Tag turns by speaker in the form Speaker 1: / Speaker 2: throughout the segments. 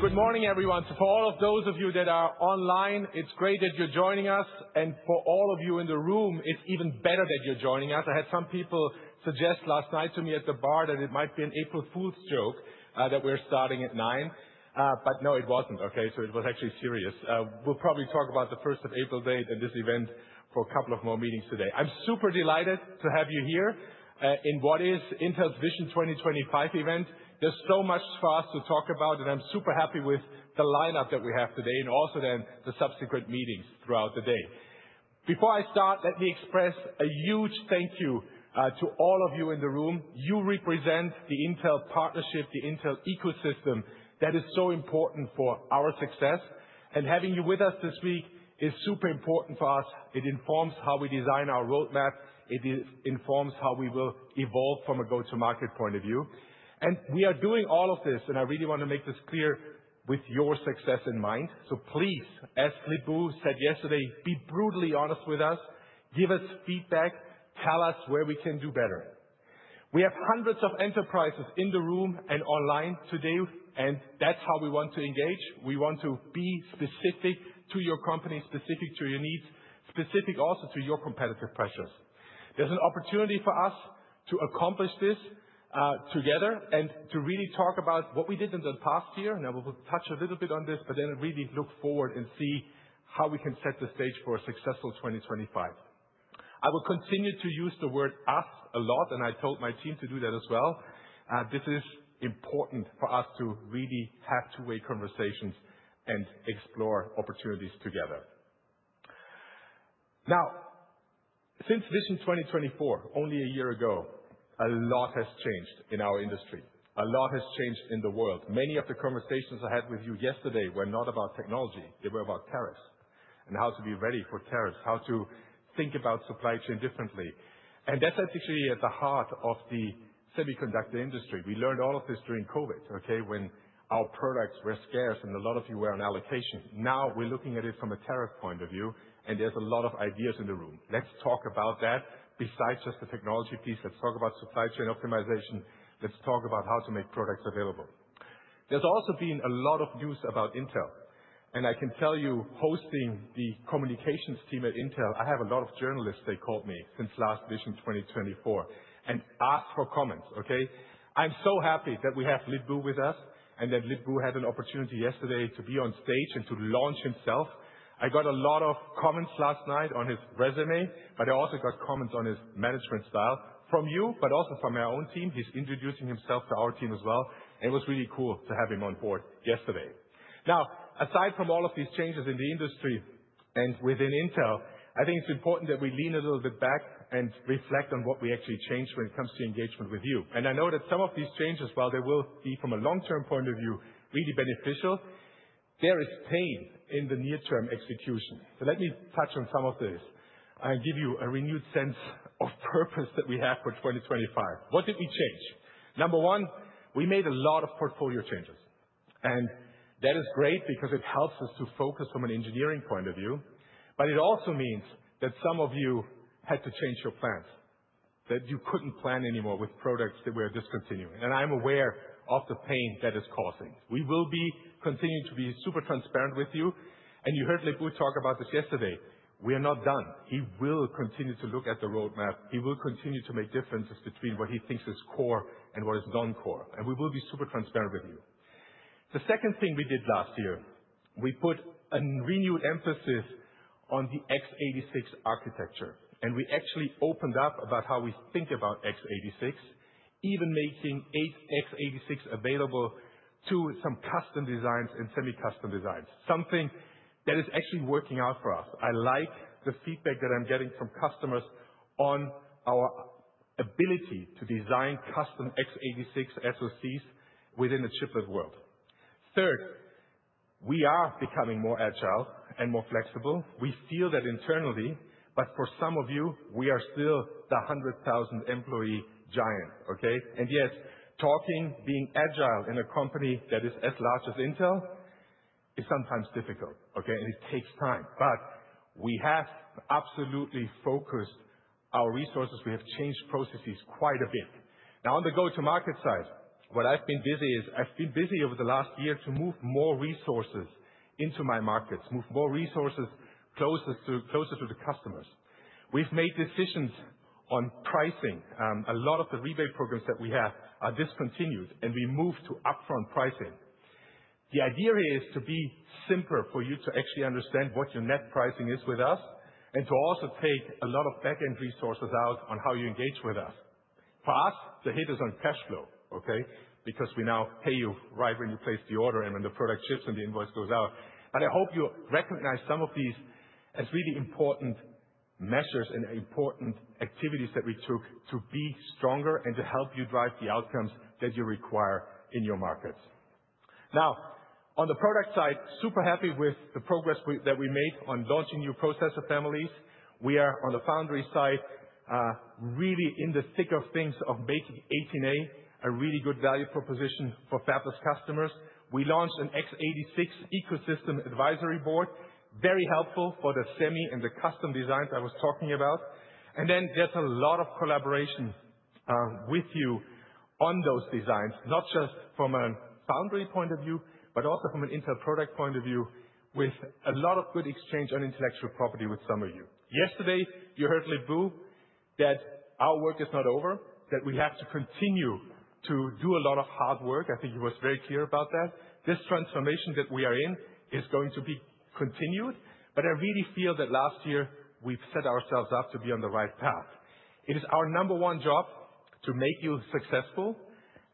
Speaker 1: Good morning, everyone. To all of those of you that are online, it's great that you're joining us. For all of you in the room, it's even better that you're joining us. I had some people suggest last night to me at the bar that it might be an April Fool's joke that we're starting at 9:00 A.M. No, it wasn't, OK? It was actually serious. We'll probably talk about the 1st of April date and this event for a couple of more meetings today. I'm super delighted to have you here in what is Intel's Vision 2025 event. There's so much for us to talk about, and I'm super happy with the lineup that we have today and also then the subsequent meetings throughout the day. Before I start, let me express a huge thank you to all of you in the room. You represent the Intel partnership, the Intel ecosystem that is so important for our success. Having you with us this week is super important for us. It informs how we design our roadmap. It informs how we will evolve from a go-to-market point of view. We are doing all of this, and I really want to make this clear, with your success in mind. Please, as Lip-Bu said yesterday, be brutally honest with us. Give us feedback. Tell us where we can do better. We have hundreds of enterprises in the room and online today, and that's how we want to engage. We want to be specific to your company, specific to your needs, specific also to your competitive pressures. There's an opportunity for us to accomplish this together and to really talk about what we did in the past year. Now, we'll touch a little bit on this, but then really look forward and see how we can set the stage for a successful 2025. I will continue to use the word "us" a lot, and I told my team to do that as well. This is important for us to really have two-way conversations and explore opportunities together. Now, since Vision 2024, only a year ago, a lot has changed in our industry. A lot has changed in the world. Many of the conversations I had with you yesterday were not about technology. They were about tariffs and how to be ready for tariffs, how to think about supply chain differently. That is actually at the heart of the semiconductor industry. We learned all of this during COVID, OK, when our products were scarce and a lot of you were on allocation. Now we're looking at it from a tariff point of view, and there's a lot of ideas in the room. Let's talk about that. Besides just the technology piece, let's talk about supply chain optimization. Let's talk about how to make products available. There's also been a lot of news about Intel. And I can tell you, hosting the communications team at Intel, I have a lot of journalists that called me since last Vision 2024 and asked for comments, OK? I'm so happy that we have Lip-Bu with us and that Lip-Bu had an opportunity yesterday to be on stage and to launch himself. I got a lot of comments last night on his resume, but I also got comments on his management style from you, but also from our own team. He's introducing himself to our team as well. It was really cool to have him on board yesterday. Now, aside from all of these changes in the industry and within Intel, I think it's important that we lean a little bit back and reflect on what we actually changed when it comes to engagement with you. I know that some of these changes, while they will be from a long-term point of view, really beneficial, there is pain in the near-term execution. Let me touch on some of this and give you a renewed sense of purpose that we have for 2025. What did we change? Number one, we made a lot of portfolio changes. That is great because it helps us to focus from an engineering point of view. It also means that some of you had to change your plans, that you couldn't plan anymore with products that we are discontinuing. I'm aware of the pain that is causing. We will be continuing to be super transparent with you. You heard Lip-Bu talk about this yesterday. We are not done. He will continue to look at the roadmap. He will continue to make differences between what he thinks is core and what is non-core. We will be super transparent with you. The second thing we did last year, we put a renewed emphasis on the x86 architecture. We actually opened up about how we think about x86, even making x86 available to some custom designs and semi-custom designs, something that is actually working out for us. I like the feedback that I'm getting from customers on our ability to design custom x86 SoCs within the chiplet world. Third, we are becoming more agile and more flexible. We feel that internally. For some of you, we are still the 100,000-employee giant, OK? Yes, talking, being agile in a company that is as large as Intel is sometimes difficult, OK? It takes time. We have absolutely focused our resources. We have changed processes quite a bit. Now, on the go-to-market side, what I've been busy with is I've been busy over the last year to move more resources into my markets, move more resources closer to the customers. We've made decisions on pricing. A lot of the rebate programs that we have are discontinued, and we moved to upfront pricing. The idea here is to be simpler for you to actually understand what your net pricing is with us and to also take a lot of back-end resources out on how you engage with us. For us, the hit is on cash flow, OK? Because we now pay you right when you place the order and when the product ships and the invoice goes out. I hope you recognize some of these as really important measures and important activities that we took to be stronger and to help you drive the outcomes that you require in your markets. Now, on the product side, super happy with the progress that we made on launching new processor families. We are, on the foundry side, really in the thick of things of making 18A a really good value proposition for fabless customers. We launched an x86 ecosystem advisory board, very helpful for the semi and the custom designs I was talking about. There is a lot of collaboration with you on those designs, not just from a foundry point of view, but also from an Intel product point of view, with a lot of good exchange on intellectual property with some of you. Yesterday, you heard Lip-Bu that our work is not over, that we have to continue to do a lot of hard work. I think he was very clear about that. This transformation that we are in is going to be continued. I really feel that last year, we have set ourselves up to be on the right path. It is our number one job to make you successful.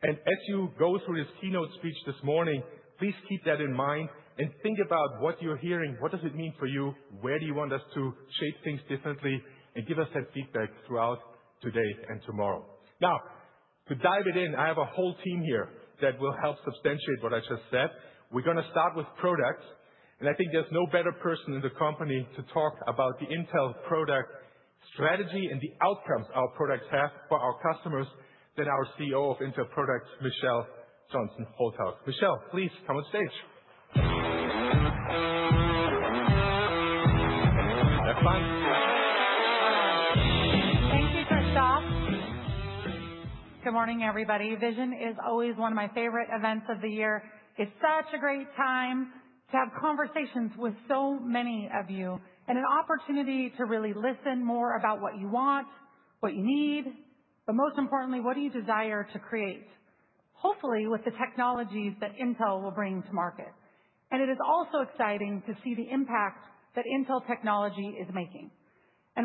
Speaker 1: As you go through this keynote speech this morning, please keep that in mind and think about what you are hearing. What does it mean for you? Where do you want us to shape things differently? Give us that feedback throughout today and tomorrow. Now, to dive in, I have a whole team here that will help substantiate what I just said. We're going to start with products. I think there's no better person in the company to talk about the Intel product strategy and the outcomes our products have for our customers than our CEO of Intel Products, Michelle Johnston Holthaus. Michelle, please come on stage.
Speaker 2: Thank you, Christoph. Good morning, everybody. Vision is always one of my favorite events of the year. It's such a great time to have conversations with so many of you and an opportunity to really listen more about what you want, what you need, but most importantly, what do you desire to create, hopefully with the technologies that Intel will bring to market. It is also exciting to see the impact that Intel technology is making.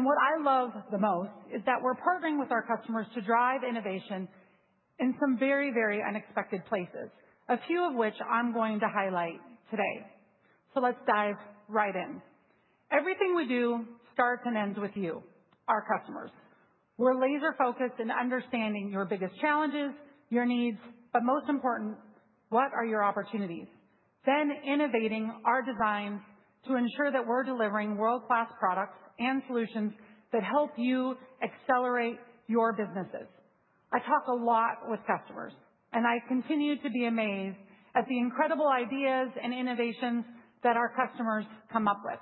Speaker 2: What I love the most is that we're partnering with our customers to drive innovation in some very, very unexpected places, a few of which I'm going to highlight today. Let's dive right in. Everything we do starts and ends with you, our customers. We're laser-focused in understanding your biggest challenges, your needs, but most important, what are your opportunities? Innovating our designs to ensure that we're delivering world-class products and solutions that help you accelerate your businesses. I talk a lot with customers, and I continue to be amazed at the incredible ideas and innovations that our customers come up with.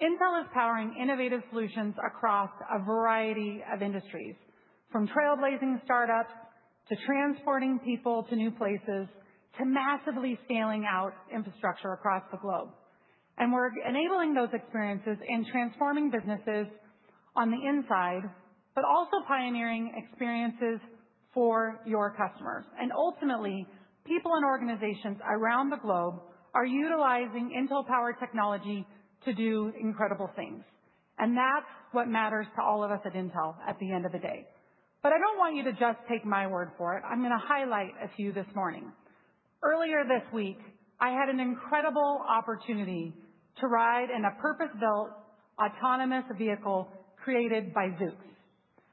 Speaker 2: Intel is powering innovative solutions across a variety of industries, from trailblazing startups to transporting people to new places to massively scaling out infrastructure across the globe. We're enabling those experiences and transforming businesses on the inside, but also pioneering experiences for your customers. Ultimately, people and organizations around the globe are utilizing Intel-powered technology to do incredible things. That's what matters to all of us at Intel at the end of the day. I don't want you to just take my word for it. I'm going to highlight a few this morning. Earlier this week, I had an incredible opportunity to ride in a purpose-built autonomous vehicle created by Zoox.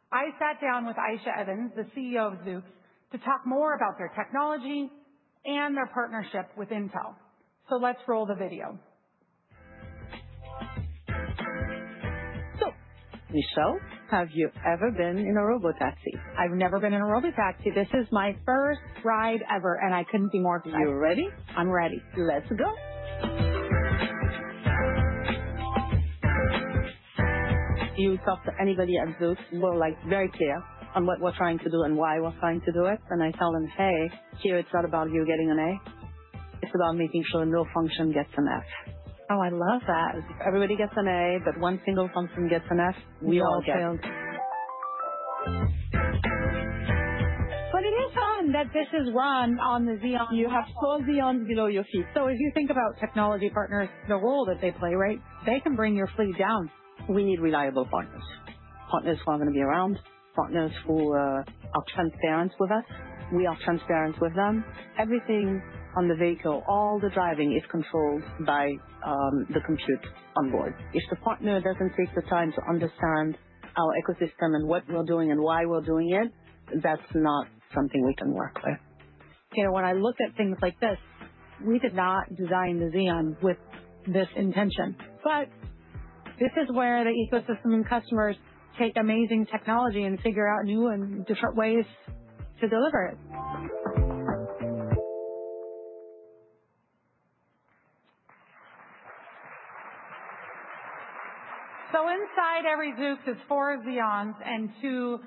Speaker 2: I sat down with Aicha Evans, the CEO of Zoox, to talk more about their technology and their partnership with Intel. Let's roll the video.
Speaker 3: Michelle, have you ever been in a robotaxi?
Speaker 2: I've never been in a robotaxi. This is my first ride ever, and I couldn't be more excited.
Speaker 3: You ready?
Speaker 2: I'm ready.
Speaker 3: Let's go. You talk to anybody at Zoox, we're very clear on what we're trying to do and why we're trying to do it. I tell them, hey, here, it's not about you getting an A. It's about making sure no function gets an F.
Speaker 2: Oh, I love that.
Speaker 3: If everybody gets an A, but one single function gets an F, we all failed.
Speaker 2: It is fun that this is run on the Xeon. You have four Xeons below your feet. If you think about technology partners, the role that they play, right, they can bring your fleet down.
Speaker 3: We need reliable partners, partners who are going to be around, partners who are transparent with us. We are transparent with them. Everything on the vehicle, all the driving is controlled by the compute on board. If the partner doesn't take the time to understand our ecosystem and what we're doing and why we're doing it, that's not something we can work with. You know, when I look at things like this, we did not design the Xeon with this intention. This is where the ecosystem and customers take amazing technology and figure out new and different ways to deliver it.
Speaker 2: Inside every Zoox is four Xeons and two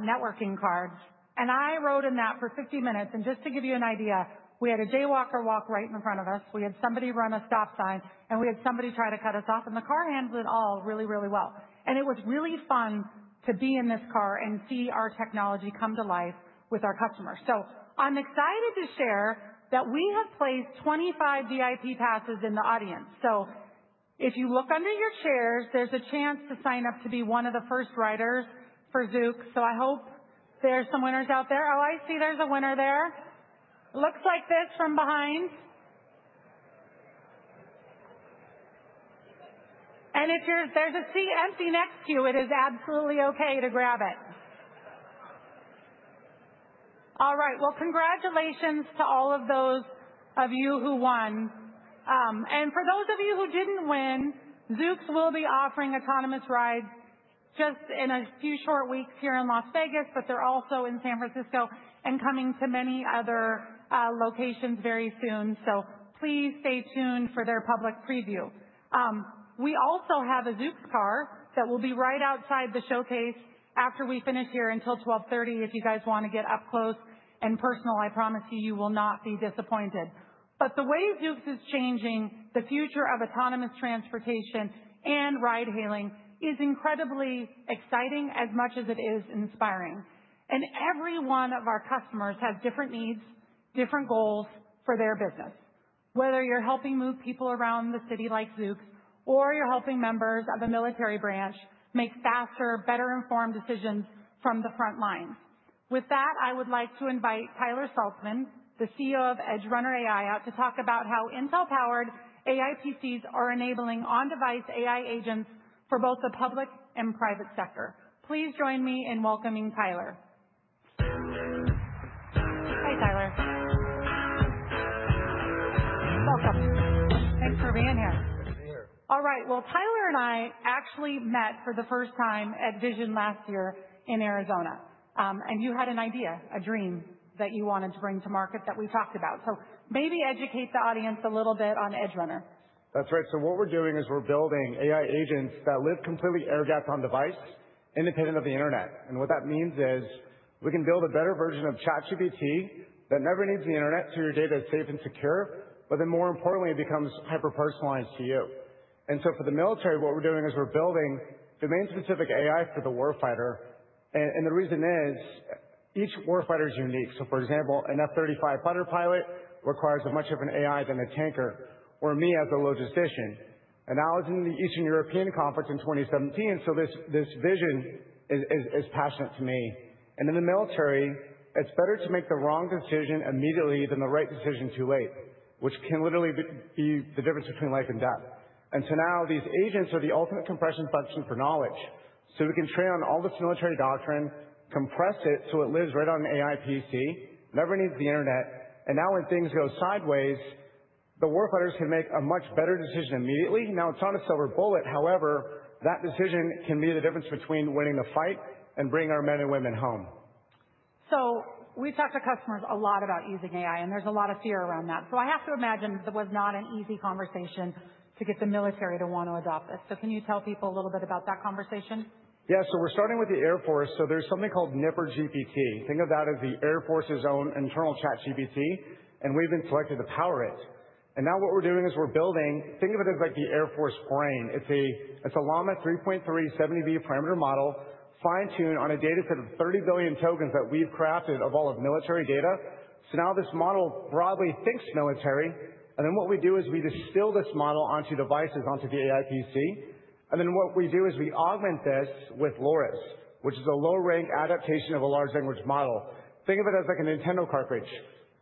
Speaker 2: networking cards. I rode in that for 50 minutes. Just to give you an idea, we had a jaywalker walk right in front of us. We had somebody run a stop sign, and we had somebody try to cut us off. The car handled it all really, really well. It was really fun to be in this car and see our technology come to life with our customers. I'm excited to share that we have placed 25 VIP passes in the audience. If you look under your chairs, there's a chance to sign up to be one of the first riders for Zoox. I hope there's some winners out there. Oh, I see there's a winner there. Looks like this from behind. If there's a seat empty next to you, it is absolutely OK to grab it. All right, congratulations to all of those of you who won. For those of you who didn't win, Zoox will be offering autonomous rides just in a few short weeks here in Las Vegas. They're also in San Francisco and coming to many other locations very soon. Please stay tuned for their public preview. We also have a Zoox car that will be right outside the showcase after we finish here until 12:30 P.M. if you guys want to get up close and personal. I promise you, you will not be disappointed. The way Zoox is changing the future of autonomous transportation and ride-hailing is incredibly exciting as much as it is inspiring. Every one of our customers has different needs, different goals for their business, whether you're helping move people around the city like Zoox or you're helping members of a military branch make faster, better-informed decisions from the front lines. With that, I would like to invite Tyler Saltsman, the CEO of EdgeRunner AI, out to talk about how Intel-powered AI PCs are enabling on-device AI agents for both the public and private sector. Please join me in welcoming Tyler. Hi, Tyler. Welcome. Thanks for being here.
Speaker 4: Good to be here.
Speaker 2: All right, Tyler and I actually met for the first time at Vision last year in Arizona. You had an idea, a dream that you wanted to bring to market that we talked about. Maybe educate the audience a little bit on EdgeRunner.
Speaker 4: That's right. What we're doing is we're building AI agents that live completely air-gapped on device, independent of the internet. What that means is we can build a better version of ChatGPT that never needs the internet, so your data is safe and secure. More importantly, it becomes hyper-personalized to you. For the military, what we're doing is we're building domain-specific AI for the warfighter. The reason is each warfighter is unique. For example, an F-35 fighter pilot requires a much different AI than a tanker or me as a logistician. I was in the Eastern European Conference in 2017. This vision is passionate to me. In the military, it's better to make the wrong decision immediately than the right decision too late, which can literally be the difference between life and death. These agents are the ultimate compression function for knowledge. We can train on all this military doctrine, compress it so it lives right on an AI PC, never needs the internet. Now when things go sideways, the warfighters can make a much better decision immediately. It is not a silver bullet. However, that decision can be the difference between winning the fight and bringing our men and women home.
Speaker 2: We talk to customers a lot about using AI, and there's a lot of fear around that. I have to imagine that was not an easy conversation to get the military to want to adopt this. Can you tell people a little bit about that conversation?
Speaker 4: Yeah, so we're starting with the Air Force. There's something called Nipper GPT. Think of that as the Air Force's own internal ChatGPT. We've been selected to power it. Now what we're doing is we're building, think of it as like the Air Force brain. It's a Llama 3.3 70B parameter model, fine-tuned on a data set of 30 billion tokens that we've crafted of all of military data. Now this model broadly thinks military. What we do is we distill this model onto devices, onto the AI PC. What we do is we augment this with Loras, which is a low-rank adaptation of a large language model. Think of it as like a Nintendo cartridge.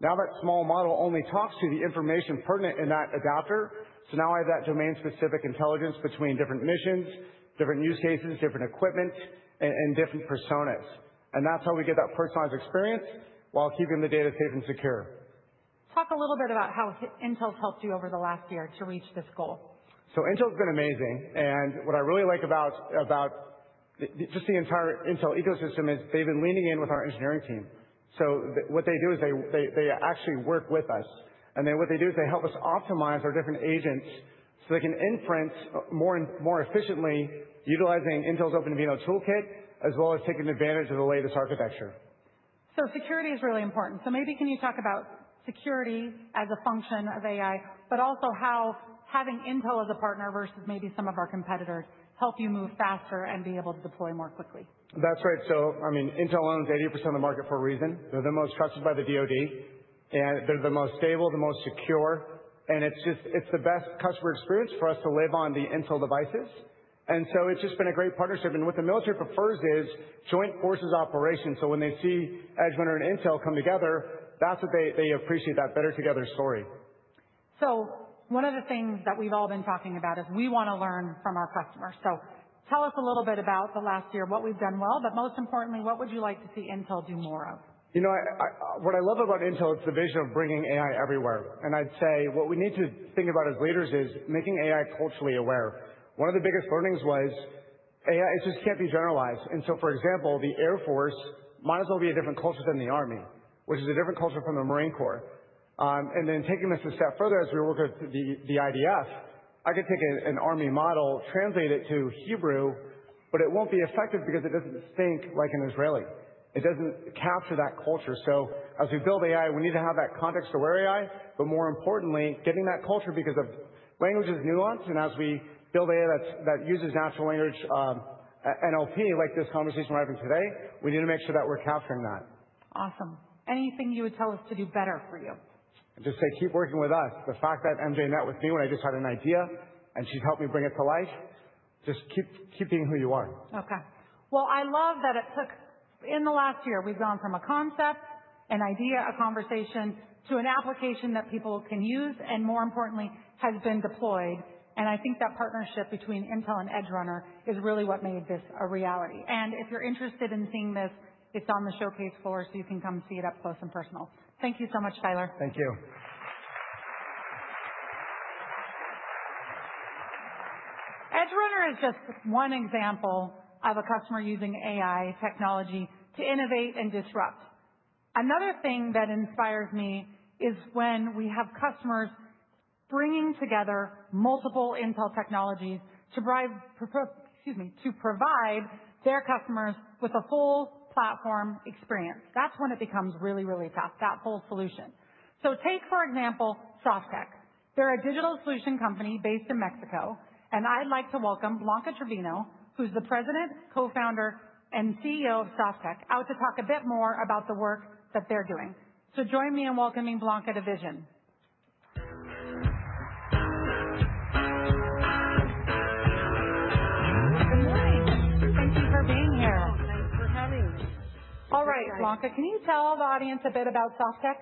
Speaker 4: Now that small model only talks to the information pertinent in that adapter. Now I have that domain-specific intelligence between different missions, different use cases, different equipment, and different personas. That's how we get that personalized experience while keeping the data safe and secure.
Speaker 2: Talk a little bit about how Intel's helped you over the last year to reach this goal.
Speaker 4: Intel's been amazing. What I really like about just the entire Intel ecosystem is they've been leaning in with our engineering team. What they do is they actually work with us. What they do is they help us optimize our different agents so they can inference more efficiently, utilizing Intel's OpenVINO toolkit, as well as taking advantage of the latest architecture.
Speaker 2: Security is really important. Maybe can you talk about security as a function of AI, but also how having Intel as a partner versus maybe some of our competitors helps you move faster and be able to deploy more quickly?
Speaker 4: That's right. I mean, Intel owns 80% of the market for a reason. They're the most trusted by the DOD. They're the most stable, the most secure. It's just the best customer experience for us to live on the Intel devices. It's just been a great partnership. What the military prefers is joint forces operations. When they see EdgeRunner and Intel come together, that's what they appreciate, that better together story.
Speaker 2: One of the things that we've all been talking about is we want to learn from our customers. Tell us a little bit about the last year, what we've done well. Most importantly, what would you like to see Intel do more of?
Speaker 4: You know, what I love about Intel is the vision of bringing AI everywhere. I'd say what we need to think about as leaders is making AI culturally aware. One of the biggest learnings was AI, it just can't be generalized. For example, the Air Force might as well be a different culture than the Army, which is a different culture from the Marine Corps. Taking this a step further, as we work with the IDF, I could take an Army model, translate it to Hebrew, but it won't be effective because it doesn't think like an Israeli. It doesn't capture that culture. As we build AI, we need to have that context aware AI. More importantly, getting that culture because language is nuanced. As we build AI that uses natural language NLP, like this conversation we're having today, we need to make sure that we're capturing that.
Speaker 2: Awesome. Anything you would tell us to do better for you?
Speaker 4: Just say keep working with us. The fact that MJ met with me when I just had an idea and she's helped me bring it to life, just keep being who you are.
Speaker 2: OK. I love that it took in the last year, we've gone from a concept, an idea, a conversation to an application that people can use and, more importantly, has been deployed. I think that partnership between Intel and EdgeRunner is really what made this a reality. If you're interested in seeing this, it's on the showcase floor, so you can come see it up close and personal. Thank you so much, Tyler.
Speaker 4: Thank you.
Speaker 2: EdgeRunner is just one example of a customer using AI technology to innovate and disrupt. Another thing that inspires me is when we have customers bringing together multiple Intel technologies to provide their customers with a full platform experience. That's when it becomes really, really tough, that full solution. Take, for example, Softtek. They're a digital solution company based in Mexico. I'd like to welcome Blanca Treviño, who's the President, Co-founder, and CEO of Softtek, out to talk a bit more about the work that they're doing. Join me in welcoming Blanca to Vision.
Speaker 5: Good morning. Thank you for being here. Thanks for having me.
Speaker 2: All right, Blanca, can you tell the audience a bit about Softtek?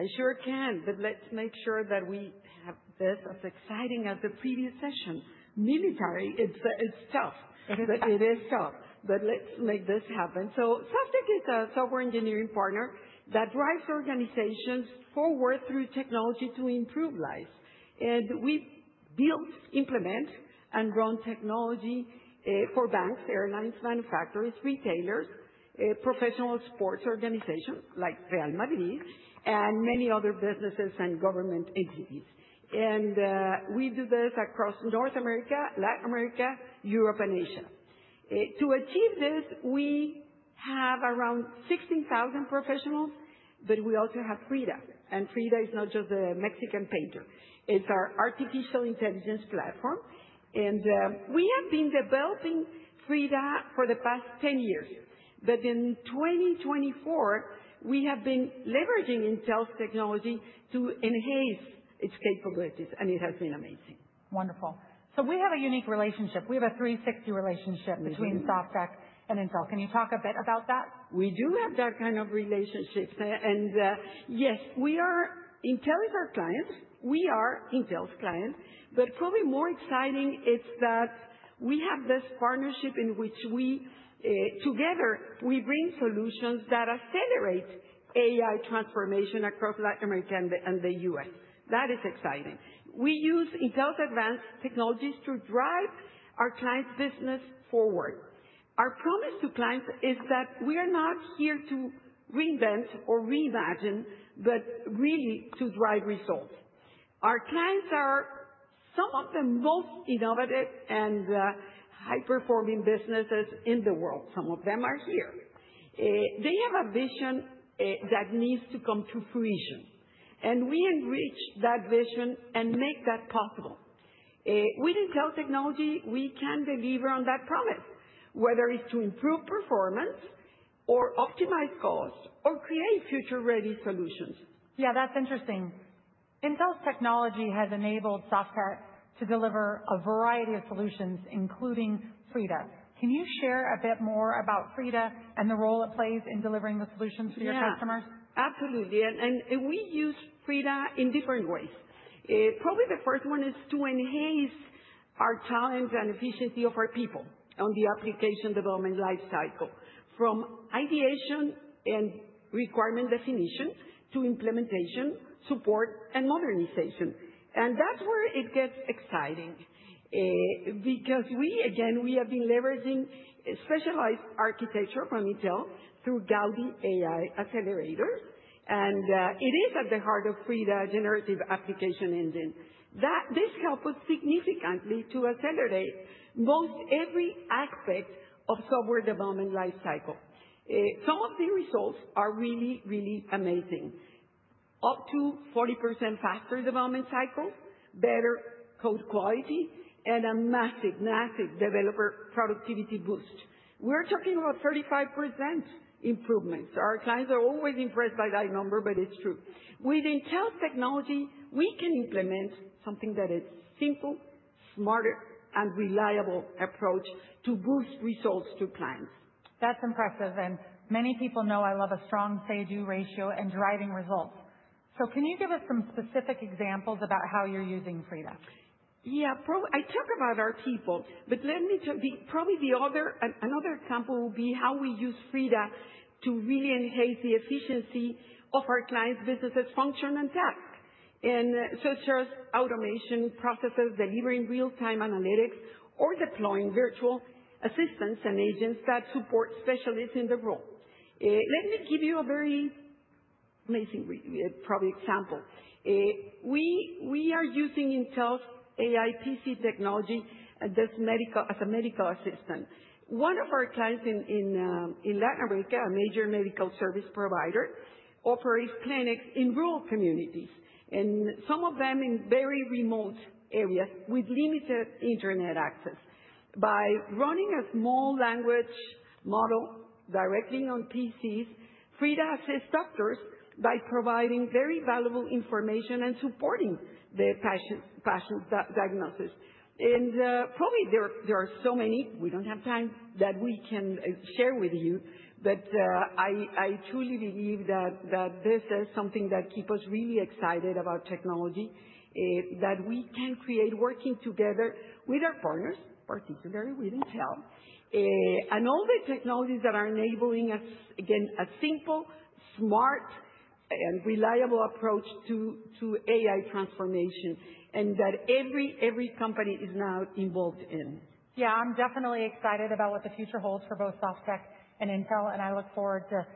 Speaker 5: I sure can. Let's make sure that we have this as exciting as the previous session. Military, it's tough. It is tough. Let's make this happen. Softtek is a software engineering partner that drives organizations forward through technology to improve lives. We build, implement, and run technology for banks, airlines, manufacturers, retailers, professional sports organizations like Real Madrid, and many other businesses and government entities. We do this across North America, Latin America, Europe, and Asia. To achieve this, we have around 16,000 professionals. We also have Frida. Frida is not just a Mexican painter. It's our artificial intelligence platform. We have been developing Frida for the past 10 years. In 2024, we have been leveraging Intel's technology to enhance its capabilities. It has been amazing.
Speaker 2: Wonderful. We have a unique relationship. We have a 360 relationship between Softtek and Intel. Can you talk a bit about that?
Speaker 5: We do have that kind of relationship. Yes, we are Intel is our client. We are Intel's client. Probably more exciting, it's that we have this partnership in which we together, we bring solutions that accelerate AI transformation across Latin America and the U.S. That is exciting. We use Intel's advanced technologies to drive our clients' business forward. Our promise to clients is that we are not here to reinvent or reimagine, but really to drive results. Our clients are some of the most innovative and high-performing businesses in the world. Some of them are here. They have a vision that needs to come to fruition. We enrich that vision and make that possible. With Intel technology, we can deliver on that promise, whether it's to improve performance or optimize costs or create future-ready solutions.
Speaker 2: Yeah, that's interesting. Intel's technology has enabled Softtek to deliver a variety of solutions, including Frida. Can you share a bit more about Frida and the role it plays in delivering the solutions for your customers?
Speaker 5: Absolutely. We use Frida in different ways. Probably the first one is to enhance our talents and efficiency of our people on the application development lifecycle, from ideation and requirement definition to implementation, support, and modernization. That is where it gets exciting. We have been leveraging specialized architecture from Intel through Gaudi AI accelerators. It is at the heart of Frida generative application engine. This helps us significantly to accelerate most every aspect of software development lifecycle. Some of the results are really, really amazing. Up to 40% faster development cycles, better code quality, and a massive, massive developer productivity boost. We are talking about 35% improvements. Our clients are always impressed by that number, but it is true. With Intel technology, we can implement something that is simple, smarter, and reliable approach to boost results to clients.
Speaker 2: That's impressive. Many people know I love a strong say-do ratio and driving results. Can you give us some specific examples about how you're using Frida?
Speaker 5: Yeah, I talk about our people. Let me tell you, probably another example will be how we use Frida to really enhance the efficiency of our clients' businesses, function, and task. Such as automation processes, delivering real-time analytics, or deploying virtual assistants and agents that support specialists in the role. Let me give you a very amazing, probably, example. We are using Intel's AI PC technology as a medical assistant. One of our clients in Latin America, a major medical service provider, operates clinics in rural communities. Some of them in very remote areas with limited internet access. By running a small language model directly on PCs, Frida assists doctors by providing very valuable information and supporting the patient's diagnosis. Probably there are so many we don't have time that we can share with you. I truly believe that this is something that keeps us really excited about technology, that we can create working together with our partners, particularly with Intel, and all the technologies that are enabling us, again, a simple, smart, and reliable approach to AI transformation and that every company is now involved in.
Speaker 2: Yeah, I'm definitely excited about what the future holds for both Softtek and Intel. I look forward to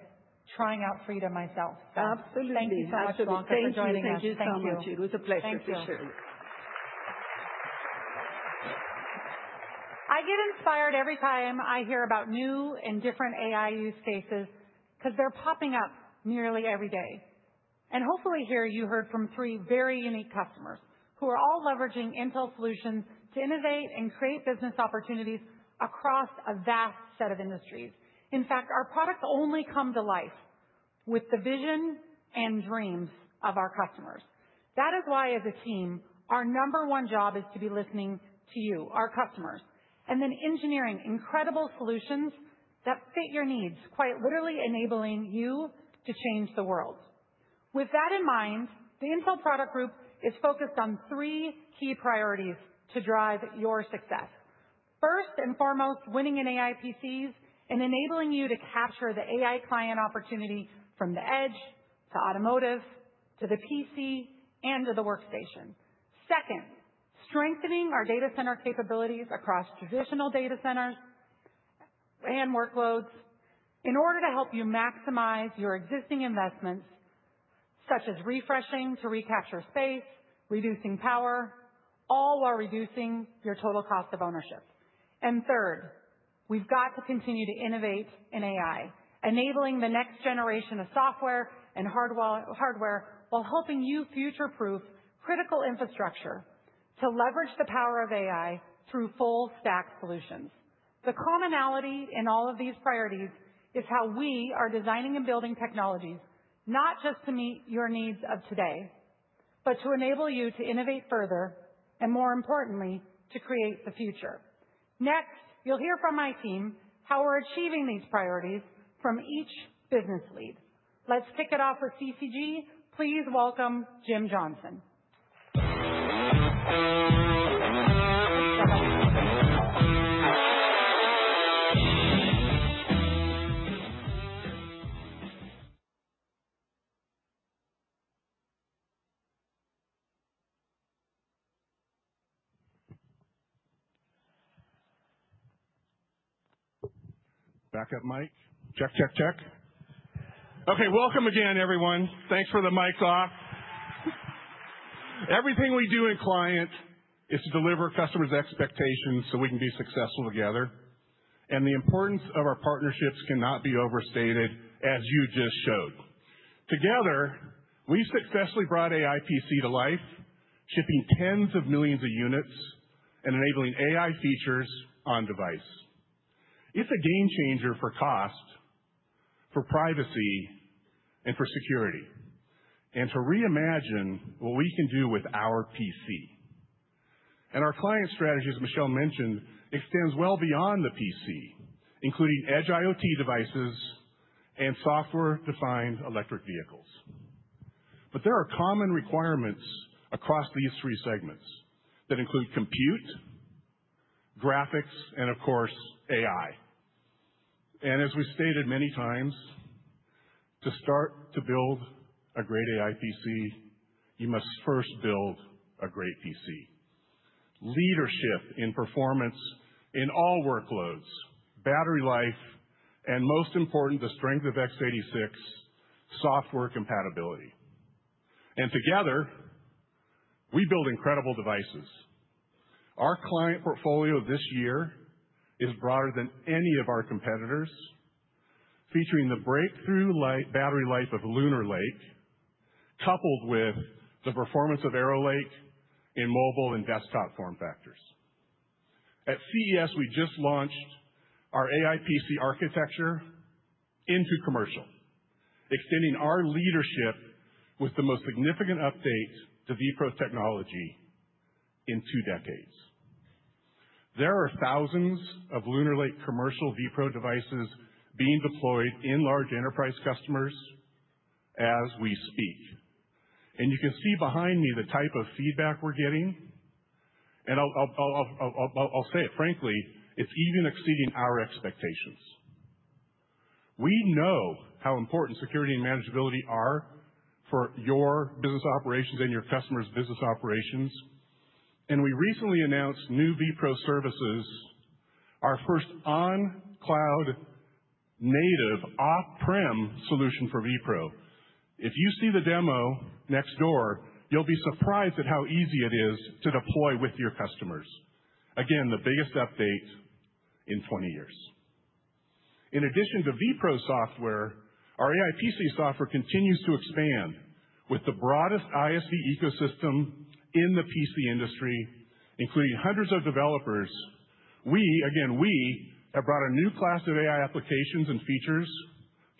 Speaker 2: trying out Frida myself.
Speaker 5: Absolutely.
Speaker 2: Thank you so much, Blanca, for joining us.
Speaker 5: Thank you. Thank you. It was a pleasure.
Speaker 2: I get inspired every time I hear about new and different AI use cases because they're popping up nearly every day. Hopefully here, you heard from three very unique customers who are all leveraging Intel solutions to innovate and create business opportunities across a vast set of industries. In fact, our products only come to life with the vision and dreams of our customers. That is why, as a team, our number one job is to be listening to you, our customers, and then engineering incredible solutions that fit your needs, quite literally enabling you to change the world. With that in mind, the Intel product group is focused on three key priorities to drive your success. First and foremost, winning in AI PCs and enabling you to capture the AI client opportunity from the edge to automotive to the PC and to the workstation. Second, strengthening our data center capabilities across traditional data centers and workloads in order to help you maximize your existing investments, such as refreshing to recapture space, reducing power, all while reducing your total cost of ownership. Third, we've got to continue to innovate in AI, enabling the next generation of software and hardware while helping you future-proof critical infrastructure to leverage the power of AI through full-stack solutions. The commonality in all of these priorities is how we are designing and building technologies, not just to meet your needs of today, but to enable you to innovate further and, more importantly, to create the future. Next, you'll hear from my team how we're achieving these priorities from each business lead. Let's kick it off with CCG. Please welcome Jim Johnson.
Speaker 6: Back up mic. Check, check, check. OK, welcome again, everyone. Thanks for the mic's off. Everything we do in client is to deliver customers' expectations so we can be successful together. The importance of our partnerships cannot be overstated, as you just showed. Together, we've successfully brought AI PC to life, shipping tens of millions of units and enabling AI features on device. It's a game changer for cost, for privacy, and for security, to reimagine what we can do with our PC. Our client strategy, as Michelle mentioned, extends well beyond the PC, including edge IoT devices and software-defined electric vehicles. There are common requirements across these three segments that include compute, graphics, and, of course, AI. As we've stated many times, to start to build a great AI PC, you must first build a great PC: leadership in performance in all workloads, battery life, and most important, the strength of x86 software compatibility. Together, we build incredible devices. Our client portfolio this year is broader than any of our competitors, featuring the breakthrough battery life of Lunar Lake, coupled with the performance of Arrow Lake in mobile and desktop form factors. At CES, we just launched our AI PC architecture into commercial, extending our leadership with the most significant update to VPRO technology in two decades. There are thousands of Lunar Lake commercial VPRO devices being deployed in large enterprise customers as we speak. You can see behind me the type of feedback we're getting. I'll say it frankly, it's even exceeding our expectations. We know how important security and manageability are for your business operations and your customers' business operations. We recently announced new VPRO services, our first on-cloud native off-prem solution for VPRO. If you see the demo next door, you'll be surprised at how easy it is to deploy with your customers. The biggest update in 20 years. In addition to VPRO software, our AI PC software continues to expand with the broadest ISV ecosystem in the PC industry, including hundreds of developers. We have brought a new class of AI applications and features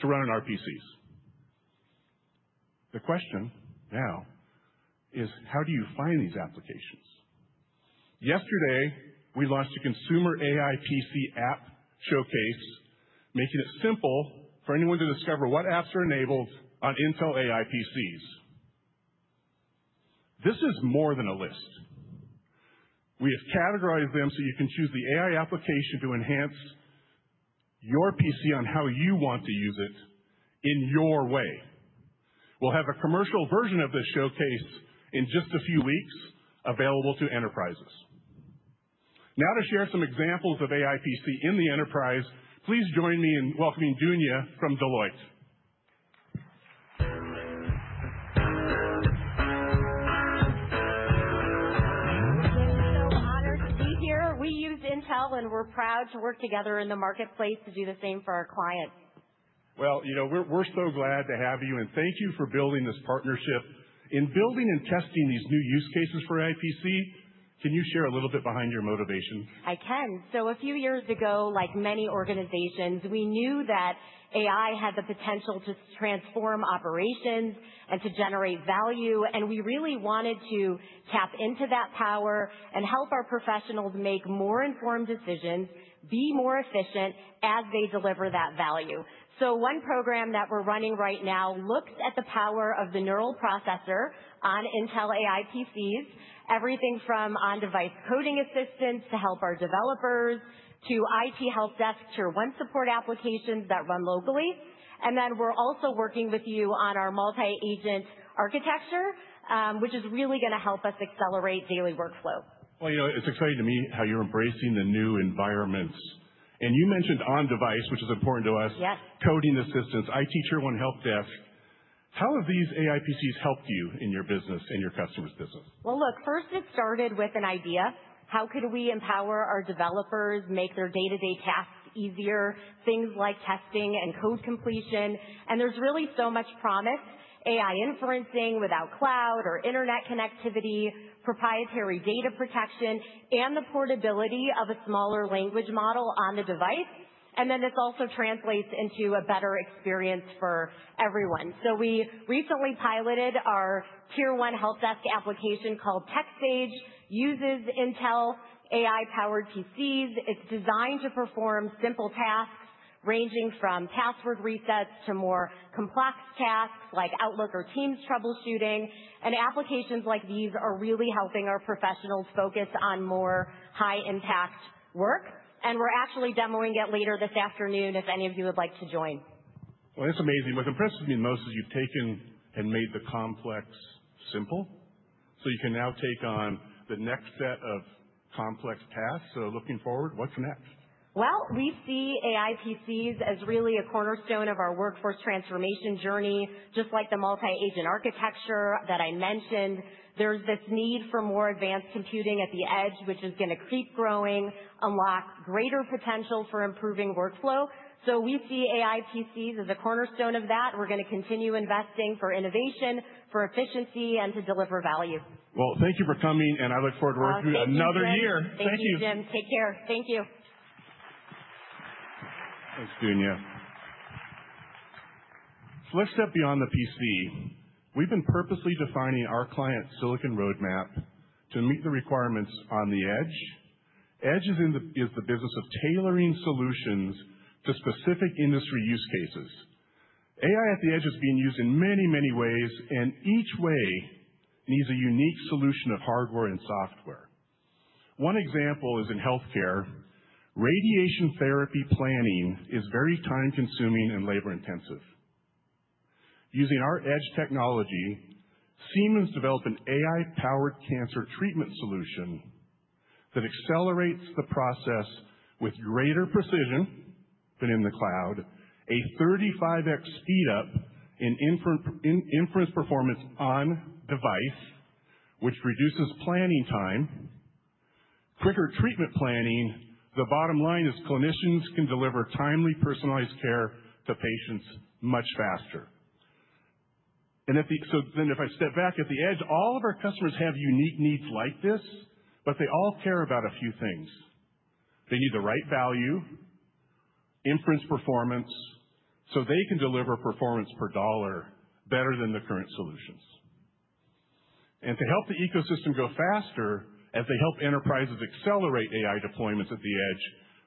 Speaker 6: to run on our PCs. The question now is, how do you find these applications? Yesterday, we launched a consumer AI PC app showcase, making it simple for anyone to discover what apps are enabled on Intel AI PCs. This is more than a list. We have categorized them so you can choose the AI application to enhance your PC on how you want to use it in your way. We'll have a commercial version of this showcase in just a few weeks available to enterprises. Now, to share some examples of AI PC in the enterprise, please join me in welcoming Dunya from Deloitte. Thank you so much to be here. We use Intel, and we're proud to work together in the marketplace to do the same for our clients. You know, we're so glad to have you. Thank you for building this partnership. In building and testing these new use cases for AI PC, can you share a little bit behind your motivation? I can. A few years ago, like many organizations, we knew that AI had the potential to transform operations and to generate value. We really wanted to tap into that power and help our professionals make more informed decisions, be more efficient as they deliver that value. One program that we're running right now looks at the power of the neural processor on Intel AI PCs, everything from on-device coding assistance to help our developers to IT help desk tier one support applications that run locally. We are also working with you on our multi-agent architecture, which is really going to help us accelerate daily workflow. You know, it's exciting to me how you're embracing the new environments. You mentioned on-device, which is important to us, coding assistance, IT tier one help desk. How have these AI PCs helped you in your business and your customers' business? First, it started with an idea. How could we empower our developers, make their day-to-day tasks easier, things like testing and code completion? There is really so much promise. AI inferencing without cloud or internet connectivity, proprietary data protection, and the portability of a smaller language model on the device. This also translates into a better experience for everyone. We recently piloted our tier one help desk application called TechSage. It uses Intel AI-powered PCs. It is designed to perform simple tasks ranging from password resets to more complex tasks like Outlook or Teams troubleshooting. Applications like these are really helping our professionals focus on more high-impact work. We are actually demoing it later this afternoon if any of you would like to join. That's amazing. What's impressed me most is you've taken and made the complex simple. You can now take on the next set of complex tasks. Looking forward, what's next? We see AI PCs as really a cornerstone of our workforce transformation journey, just like the multi-agent architecture that I mentioned. There's this need for more advanced computing at the edge, which is going to keep growing, unlock greater potential for improving workflow. We see AI PCs as a cornerstone of that. We're going to continue investing for innovation, for efficiency, and to deliver value. Thank you for coming. I look forward to working with you another year. Thank you. Thank you, Jim. Take care. Thank you. Thanks, Dunya. Let's step beyond the PC. We've been purposely defining our client silicon roadmap to meet the requirements on the edge. Edge is the business of tailoring solutions to specific industry use cases. AI at the edge is being used in many, many ways. Each way needs a unique solution of hardware and software. One example is in health care. Radiation therapy planning is very time-consuming and labor-intensive. Using our edge technology, Siemens developed an AI-powered cancer treatment solution that accelerates the process with greater precision than in the cloud, a 35x speed up in inference performance on device, which reduces planning time, quicker treatment planning. The bottom line is clinicians can deliver timely personalized care to patients much faster. If I step back at the edge, all of our customers have unique needs like this, but they all care about a few things. They need the right value, inference performance, so they can deliver performance per dollar better than the current solutions. To help the ecosystem go faster, as they help enterprises accelerate AI deployments at the edge,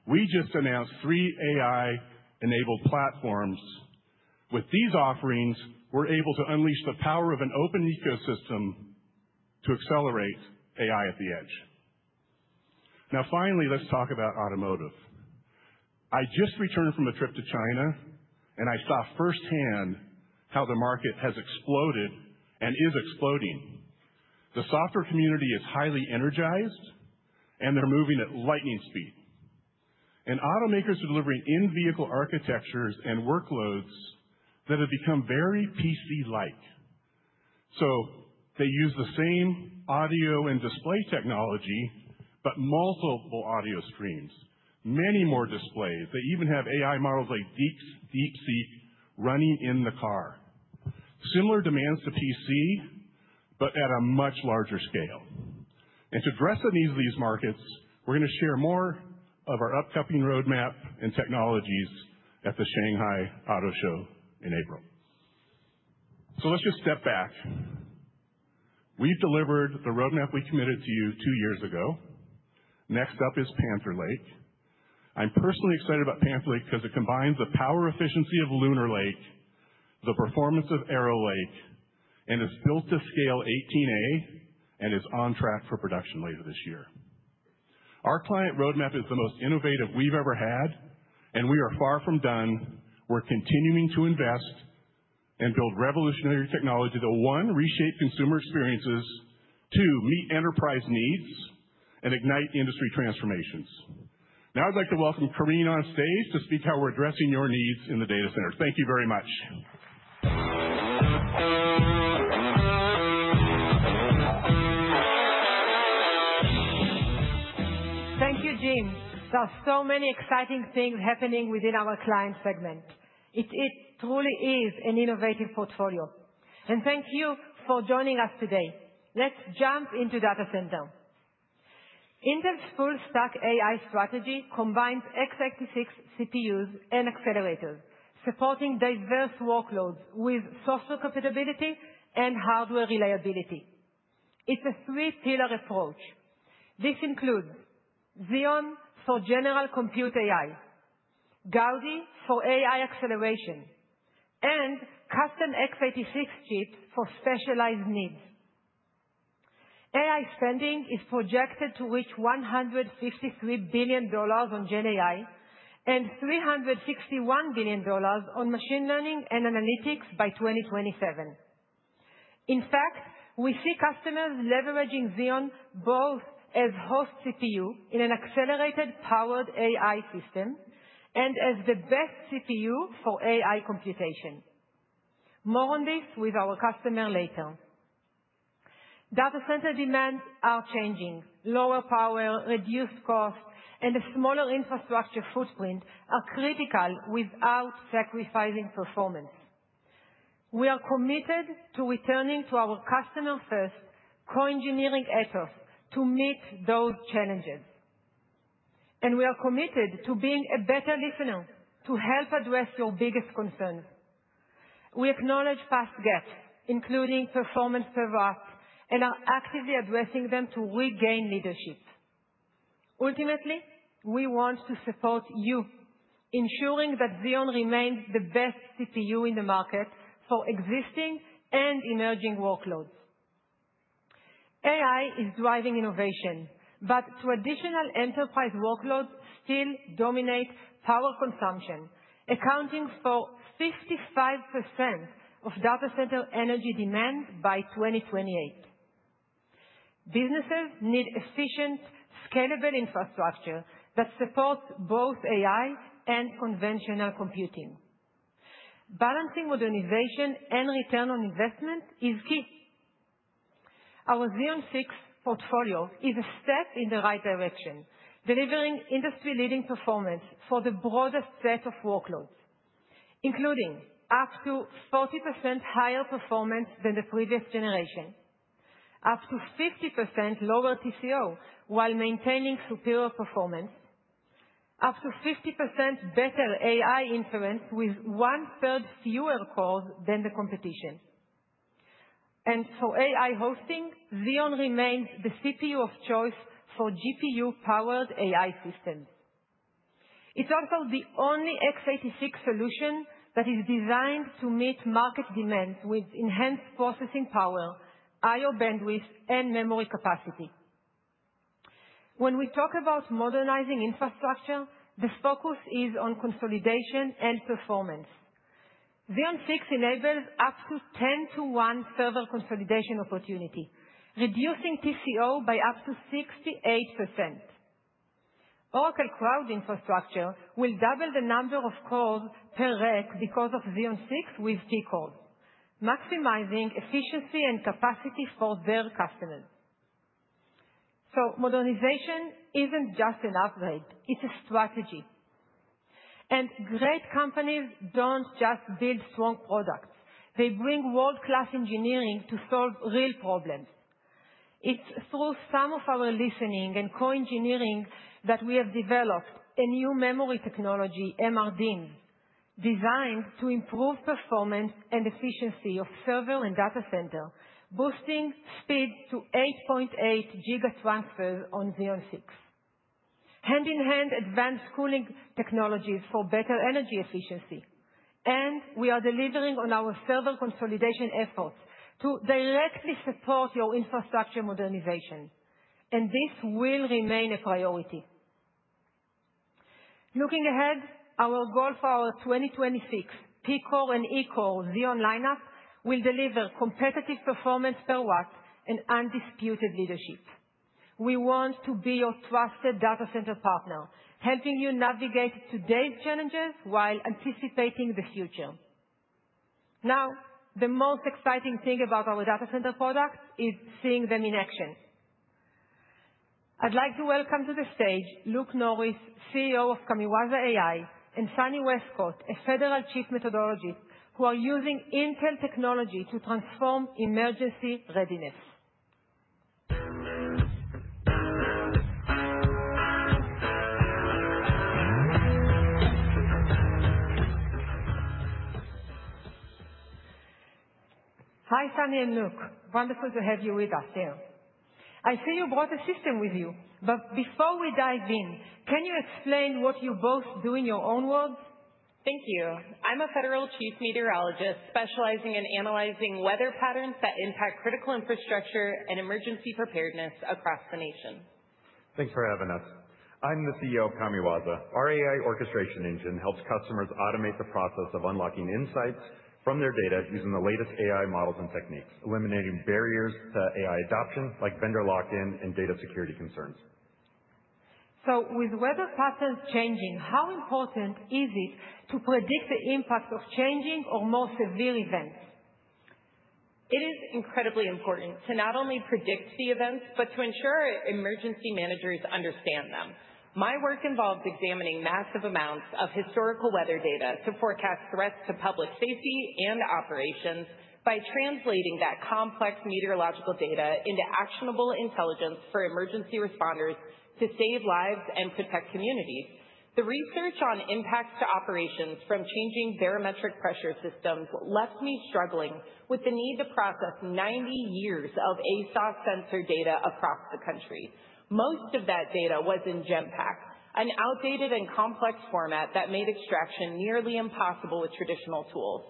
Speaker 6: we just announced three AI-enabled platforms. With these offerings, we're able to unleash the power of an open ecosystem to accelerate AI at the edge. Now, finally, let's talk about automotive. I just returned from a trip to China, and I saw firsthand how the market has exploded and is exploding. The software community is highly energized, and they're moving at lightning speed. Automakers are delivering in-vehicle architectures and workloads that have become very PC-like. They use the same audio and display technology, but multiple audio streams, many more displays. They even have AI models like DeepSeek running in the car. Similar demands to PC, but at a much larger scale. To address in these markets, we're going to share more of our upcoming roadmap and technologies at the Shanghai Auto Show in April. Let's just step back. We've delivered the roadmap we committed to you two years ago. Next up is Panther Lake. I'm personally excited about Panther Lake because it combines the power efficiency of Lunar Lake, the performance of Arrow Lake, and it's built to scale 18A and is on track for production later this year. Our client roadmap is the most innovative we've ever had, and we are far from done. We're continuing to invest and build revolutionary technology that, one, reshape consumer experiences, two, meet enterprise needs, and ignite industry transformations. Now, I'd like to welcome Kelleher on stage to speak how we're addressing your needs in the data centers. Thank you very much.
Speaker 7: Thank you, Jim. There are so many exciting things happening within our client segment. It truly is an innovative portfolio. Thank you for joining us today. Let's jump into data center. Intel's full-stack AI strategy combines x86 CPUs and accelerators, supporting diverse workloads with software compatibility and hardware reliability. It's a three-pillar approach. This includes Xeon for general compute AI, Gaudi for AI acceleration, and custom x86 chips for specialized needs. AI spending is projected to reach $153 billion on GenAI and $361 billion on machine learning and analytics by 2027. In fact, we see customers leveraging Xeon both as host CPU in an accelerated powered AI system and as the best CPU for AI computation. More on this with our customer later. Data center demands are changing. Lower power, reduced cost, and a smaller infrastructure footprint are critical without sacrificing performance. We are committed to returning to our customer-first co-engineering ethos to meet those challenges. We are committed to being a better listener to help address your biggest concerns. We acknowledge past gaps, including performance turbo up, and are actively addressing them to regain leadership. Ultimately, we want to support you, ensuring that Xeon remains the best CPU in the market for existing and emerging workloads. AI is driving innovation, but traditional enterprise workloads still dominate power consumption, accounting for 55% of data center energy demand by 2028. Businesses need efficient, scalable infrastructure that supports both AI and conventional computing. Balancing modernization and return on investment is key. Our Xeon 6 portfolio is a step in the right direction, delivering industry-leading performance for the broadest set of workloads, including up to 40% higher performance than the previous generation, up to 50% lower TCO while maintaining superior performance, up to 50% better AI inference with one-third fewer calls than the competition. For AI hosting, Xeon remains the CPU of choice for GPU-powered AI systems. It is also the only x86 solution that is designed to meet market demands with enhanced processing power, I/O bandwidth, and memory capacity. When we talk about modernizing infrastructure, the focus is on consolidation and performance. Xeon 6 enables up to 10-1 server consolidation opportunity, reducing TCO by up to 68%. Oracle Cloud Infrastructure will double the number of calls per rack because of Xeon 6 with G-core, maximizing efficiency and capacity for their customers. Modernization is not just an upgrade. It's a strategy. Great companies don't just build strong products. They bring world-class engineering to solve real problems. It's through some of our listening and co-engineering that we have developed a new memory technology, MRDIMS, designed to improve performance and efficiency of server and data center, boosting speed to 8.8 gigatransfers on Xeon 6, hand-in-hand advanced cooling technologies for better energy efficiency. We are delivering on our server consolidation efforts to directly support your infrastructure modernization. This will remain a priority. Looking ahead, our goal for our 2026 P-core and E-core Xeon lineup will deliver competitive performance per watt and undisputed leadership. We want to be your trusted data center partner, helping you navigate today's challenges while anticipating the future. The most exciting thing about our data center products is seeing them in action. I'd like to welcome to the stage Luke Norris, CEO of Kamiwaza AI, and Sunny Wescott, a Federal Chief Methodologist, who are using Intel technology to transform emergency readiness. Hi, Sunny and Luke. Wonderful to have you with us here. I see you brought a system with you. Before we dive in, can you explain what you both do in your own words?
Speaker 8: Thank you. I'm a Federal Chief Meteorologist specializing in analyzing weather patterns that impact critical infrastructure and emergency preparedness across the nation.
Speaker 9: Thanks for having us. I'm the CEO of Kamiwaza. Our AI orchestration engine helps customers automate the process of unlocking insights from their data using the latest AI models and techniques, eliminating barriers to AI adoption like vendor lock-in and data security concerns.
Speaker 7: With weather patterns changing, how important is it to predict the impact of changing or more severe events?
Speaker 8: It is incredibly important to not only predict the events, but to ensure emergency managers understand them. My work involves examining massive amounts of historical weather data to forecast threats to public safety and operations by translating that complex meteorological data into actionable intelligence for emergency responders to save lives and protect communities. The research on impacts to operations from changing barometric pressure systems left me struggling with the need to process 90 years of ASOS sensor data across the country. Most of that data was in Genpak, an outdated and complex format that made extraction nearly impossible with traditional tools.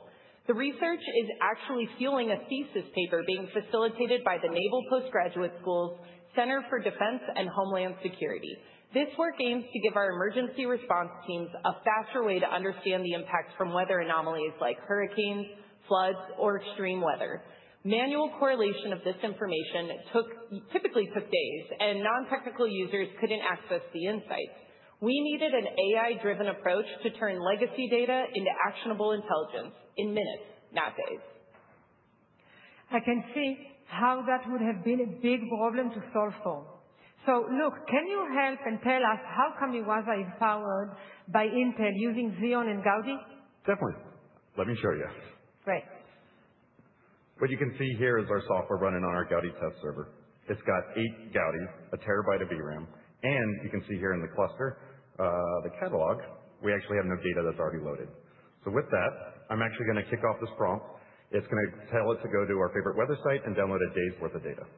Speaker 8: The research is actually fueling a thesis paper being facilitated by the Naval Postgraduate School's Center for Defense and Homeland Security. This work aims to give our emergency response teams a faster way to understand the impacts from weather anomalies like hurricanes, floods, or extreme weather. Manual correlation of this information typically took days, and non-technical users couldn't access the insights. We needed an AI-driven approach to turn legacy data into actionable intelligence in minutes, not days.
Speaker 7: I can see how that would have been a big problem to solve for. Luke, can you help and tell us how Kamiwaza is powered by Intel using Xeon and Gaudi?
Speaker 9: Definitely. Let me show you.
Speaker 7: Great.
Speaker 9: What you can see here is our software running on our Gaudi test server. It's got eight Gaudi, a terabyte of VRAM. You can see here in the cluster, the catalog, we actually have no data that's already loaded. With that, I'm actually going to kick off this prompt. It's going to tell it to go to our favorite weather site and download a day's worth of data.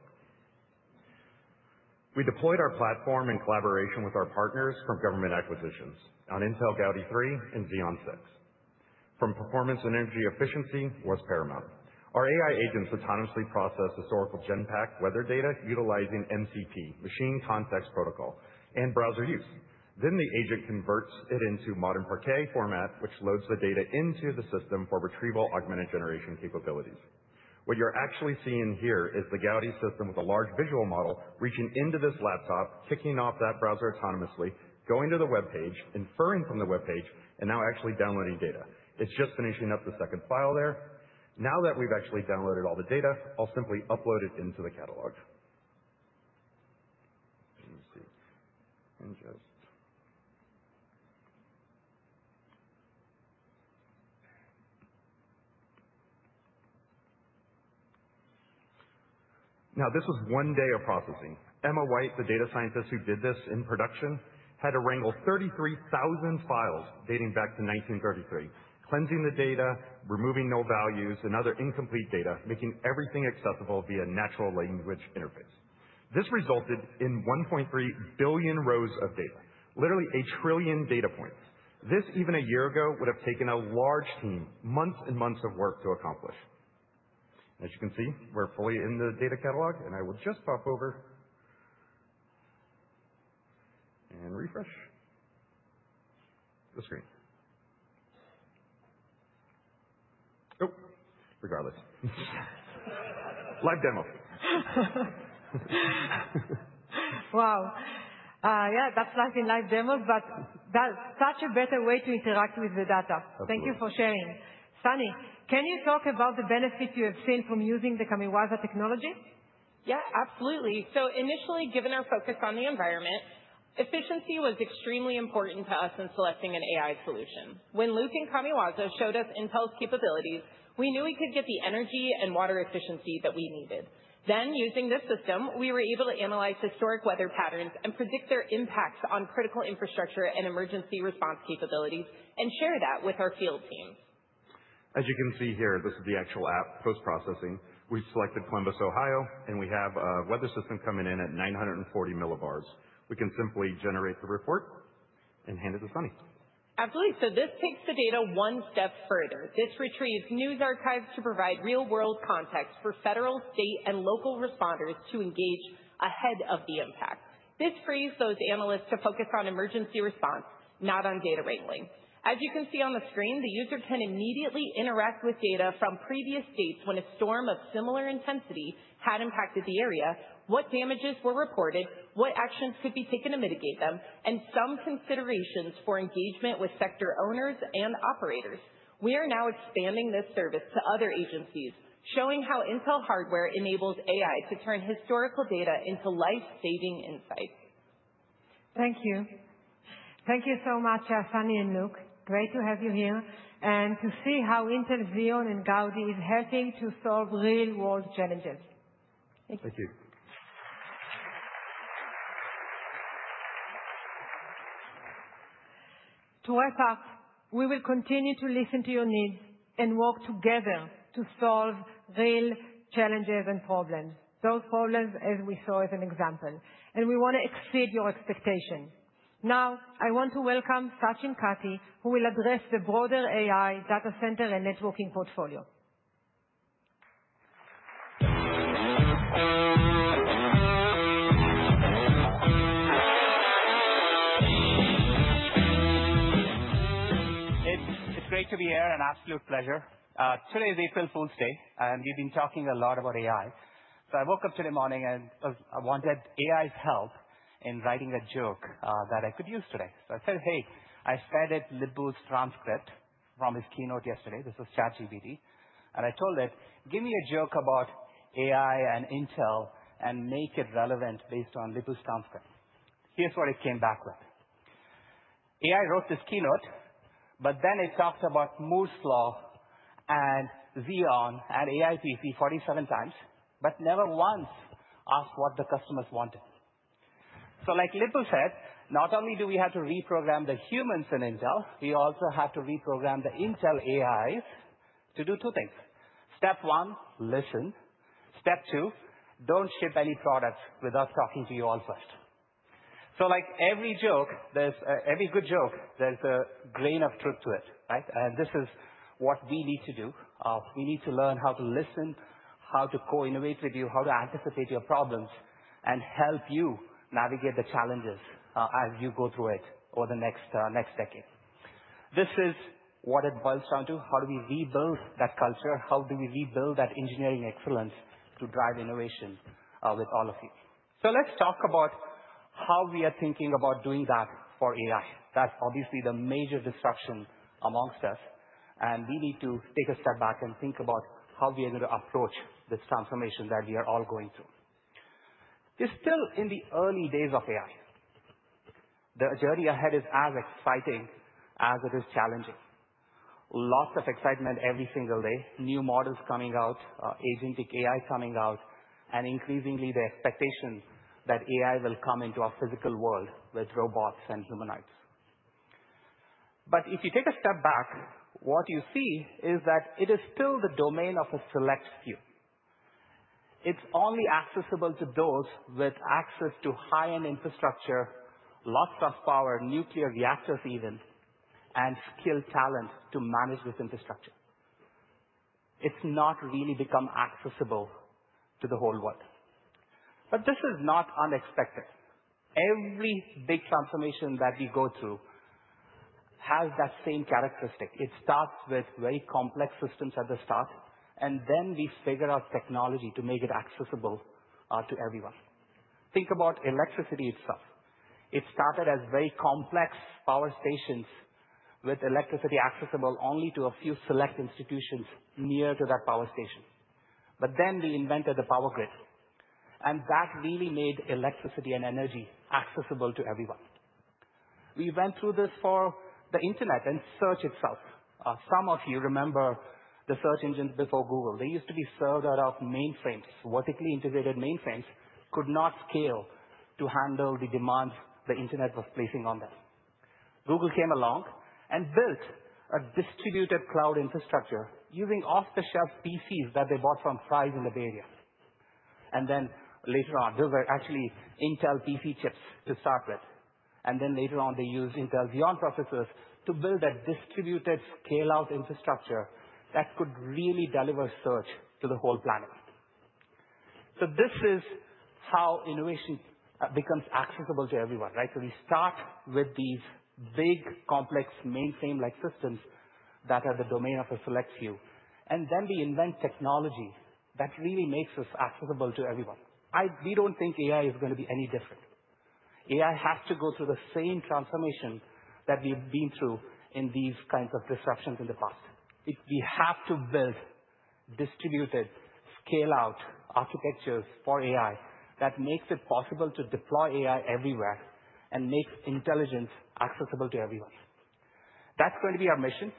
Speaker 9: We deployed our platform in collaboration with our partners from government acquisitions on Intel Gaudi 3 and Xeon 6. Performance and energy efficiency was paramount. Our AI agents autonomously process historical Genpak weather data utilizing MCP, Machine Context Protocol, and browser use. The agent converts it into modern Parquet format, which loads the data into the system for retrieval augmented generation capabilities. What you're actually seeing here is the Gaudi system with a large visual model reaching into this laptop, kicking off that browser autonomously, going to the web page, inferring from the web page, and now actually downloading data. It's just finishing up the second file there. Now that we've actually downloaded all the data, I'll simply upload it into the catalog. Let me see. And just now, this was one day of processing. Emma White, the data scientist who did this in production, had to wrangle 33,000 files dating back to 1933, cleansing the data, removing null values, and other incomplete data, making everything accessible via natural language interface. This resulted in 1.3 billion rows of data, literally a trillion data points. This, even a year ago, would have taken a large team, months and months of work to accomplish. As you can see, we're fully in the data catalog, and I will just pop over and refresh the screen. Oh, regardless. Live demo.
Speaker 7: Wow. Yeah, that's nice in live demos, but that's such a better way to interact with the data. Thank you for sharing. Sunny, can you talk about the benefits you have seen from using the Kamiwaza technology?
Speaker 8: Yeah, absolutely. Initially, given our focus on the environment, efficiency was extremely important to us in selecting an AI solution. When Luke and Kamiwaza showed us Intel's capabilities, we knew we could get the energy and water efficiency that we needed. Using this system, we were able to analyze historic weather patterns and predict their impacts on critical infrastructure and emergency response capabilities and share that with our field team.
Speaker 9: As you can see here, this is the actual app post-processing. We selected Columbus, Ohio, and we have a weather system coming in at 940 millibars. We can simply generate the report and hand it to Sunny.
Speaker 8: Absolutely. This takes the data one step further. This retrieves news archives to provide real-world context for federal, state, and local responders to engage ahead of the impact. This frees those analysts to focus on emergency response, not on data wrangling. As you can see on the screen, the user can immediately interact with data from previous states when a storm of similar intensity had impacted the area, what damages were reported, what actions could be taken to mitigate them, and some considerations for engagement with sector owners and operators. We are now expanding this service to other agencies, showing how Intel hardware enables AI to turn historical data into life-saving insights.
Speaker 7: Thank you. Thank you so much, Sunny and Luke. Great to have you here and to see how Intel Xeon and Gaudi is helping to solve real-world challenges.
Speaker 9: Thank you.
Speaker 7: To wrap up, we will continue to listen to your needs and work together to solve real challenges and problems, those problems as we saw as an example. We want to exceed your expectation. Now, I want to welcome Sachin Katti, who will address the broader AI data center and networking portfolio.
Speaker 10: It's great to be here. An absolute pleasure. Today is April Fool's Day, and we've been talking a lot about AI. I woke up today morning and I wanted AI's help in writing a joke that I could use today. I said, hey, I fed it Lip-Bu Tan's transcript from his keynote yesterday. This was ChatGPT. I told it, give me a joke about AI and Intel and make it relevant based on Lip-Bu Tan's transcript. Here's what it came back with. AI wrote this keynote, but then it talked about Moore's Law and Xeon and AI PC 47 times, but never once asked what the customers wanted. Like Lip-Bu Tan said, not only do we have to reprogram the humans in Intel, we also have to reprogram the Intel AIs to do two things. Step one, listen. Step two, don't ship any products without talking to you all first. Like every joke, every good joke, there's a grain of truth to it, right? This is what we need to do. We need to learn how to listen, how to co-innovate with you, how to anticipate your problems, and help you navigate the challenges as you go through it over the next decade. This is what it boils down to. How do we rebuild that culture? How do we rebuild that engineering excellence to drive innovation with all of you? Let's talk about how we are thinking about doing that for AI. That's obviously the major destruction amongst us. We need to take a step back and think about how we are going to approach this transformation that we are all going through. We're still in the early days of AI. The journey ahead is as exciting as it is challenging. Lots of excitement every single day. New models coming out, agentic AI coming out, and increasingly the expectation that AI will come into our physical world with robots and humanoids. If you take a step back, what you see is that it is still the domain of a select few. It's only accessible to those with access to high-end infrastructure, lots of power, nuclear reactors even, and skilled talent to manage this infrastructure. It's not really become accessible to the whole world. This is not unexpected. Every big transformation that we go through has that same characteristic. It starts with very complex systems at the start, and then we figure out technology to make it accessible to everyone. Think about electricity itself. It started as very complex power stations with electricity accessible only to a few select institutions near to that power station. Then we invented the power grid. That really made electricity and energy accessible to everyone. We went through this for the internet and search itself. Some of you remember the search engines before Google. They used to be served out of mainframes, vertically integrated mainframes, could not scale to handle the demands the internet was placing on them. Google came along and built a distributed cloud infrastructure using off-the-shelf PCs that they bought from Price in the Bay Area. Later on, those are actually Intel PC chips to start with. Later on, they used Intel Xeon processors to build a distributed scale-out infrastructure that could really deliver search to the whole planet. This is how innovation becomes accessible to everyone, right? We start with these big, complex mainframe-like systems that are the domain of a select few. Then we invent technology that really makes this accessible to everyone. We do not think AI is going to be any different. AI has to go through the same transformation that we have been through in these kinds of disruptions in the past. We have to build distributed scale-out architectures for AI that make it possible to deploy AI everywhere and make intelligence accessible to everyone. That is going to be our mission.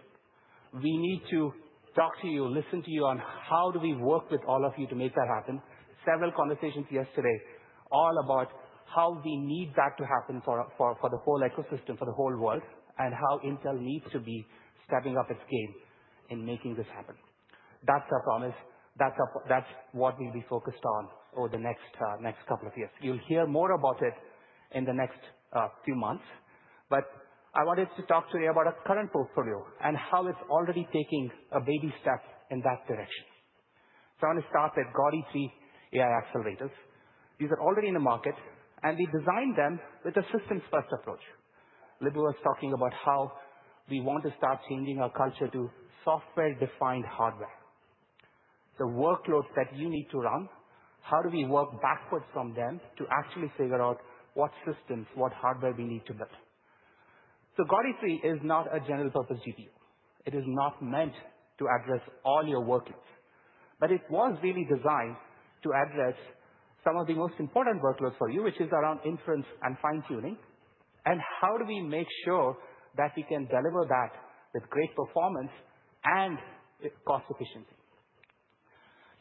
Speaker 10: We need to talk to you, listen to you on how do we work with all of you to make that happen. Several conversations yesterday all about how we need that to happen for the whole ecosystem, for the whole world, and how Intel needs to be stepping up its game in making this happen. That is our promise. That's what we'll be focused on over the next couple of years. You'll hear more about it in the next few months. I wanted to talk today about our current portfolio and how it's already taking a baby step in that direction. I want to start with Gaudi 3 AI accelerators. These are already in the market, and we designed them with a systems-first approach. Lip-Bu Tan was talking about how we want to start changing our culture to software-defined hardware. The workloads that you need to run, how do we work backwards from them to actually figure out what systems, what hardware we need to build? Gaudi 3 is not a general-purpose GPU. It is not meant to address all your workloads. It was really designed to address some of the most important workloads for you, which is around inference and fine-tuning. How do we make sure that we can deliver that with great performance and cost efficiency?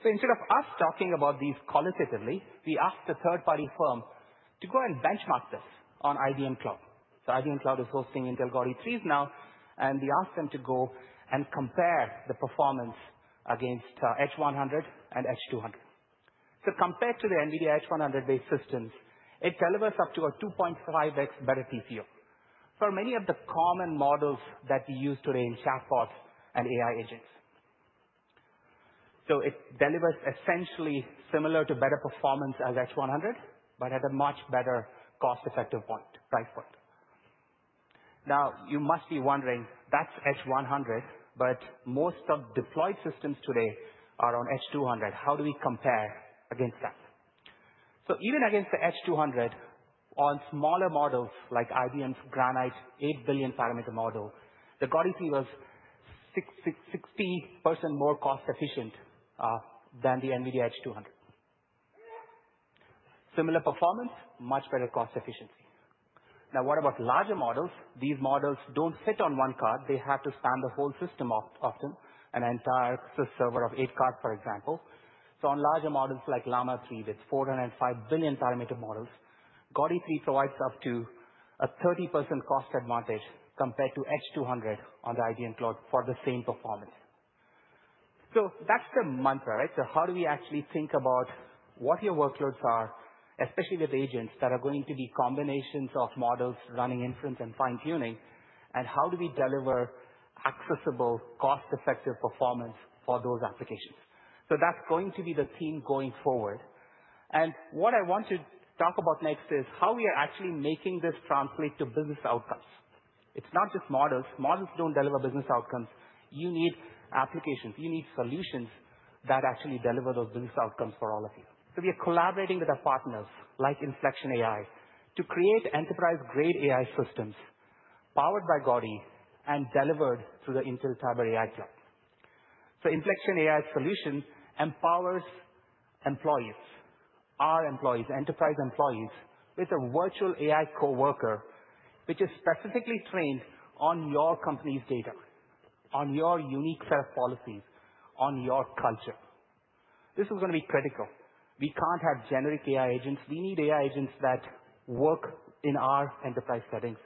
Speaker 10: Instead of us talking about these qualitatively, we asked a third-party firm to go and benchmark this on IBM Cloud. IBM Cloud is hosting Intel Gaudi 3s now, and we asked them to go and compare the performance against Edge 100 and Edge 200. Compared to the NVIDIA Edge 100-based systems, it delivers up to a 2.5x better TCO for many of the common models that we use today in chatbots and AI agents. It delivers essentially similar to better performance as Edge 100, but at a much better cost-effective price point. You must be wondering, that's Edge 100, but most of the deployed systems today are on Edge 200. How do we compare against that? Even against the Edge 200, on smaller models like IBM's Granite 8 billion parameter model, the Gaudi 3 was 60% more cost-efficient than the NVIDIA Edge 200. Similar performance, much better cost efficiency. Now, what about larger models? These models do not fit on one card. They have to span the whole system often, an entire server of eight cards, for example. On larger models like Llama 3 with 405 billion parameter models, Gaudi 3 provides up to a 30% cost advantage compared to Edge 200 on the IBM Cloud for the same performance. That is the mantra, right? How do we actually think about what your workloads are, especially with agents that are going to be combinations of models running inference and fine-tuning, and how do we deliver accessible, cost-effective performance for those applications? That is going to be the theme going forward. What I want to talk about next is how we are actually making this translate to business outcomes. It's not just models. Models don't deliver business outcomes. You need applications. You need solutions that actually deliver those business outcomes for all of you. We are collaborating with our partners like Inflection AI to create enterprise-grade AI systems powered by Gaudi and delivered through the Intel Cyber AI Cloud. The Inflection AI solution empowers employees, our employees, enterprise employees, with a virtual AI coworker, which is specifically trained on your company's data, on your unique set of policies, on your culture. This is going to be critical. We can't have generic AI agents. We need AI agents that work in our enterprise settings,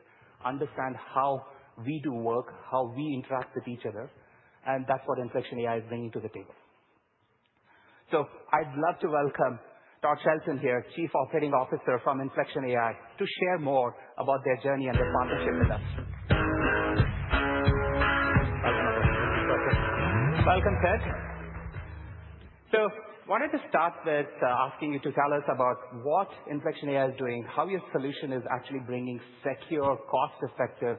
Speaker 10: understand how we do work, how we interact with each other. That's what Inflection AI is bringing to the table. I'd love to welcome Ted Shelton here, Chief Operating Officer from Inflection AI, to share more about their journey and their partnership with us. Welcome, Ted. I wanted to start with asking you to tell us about what Inflection AI is doing, how your solution is actually bringing secure, cost-effective,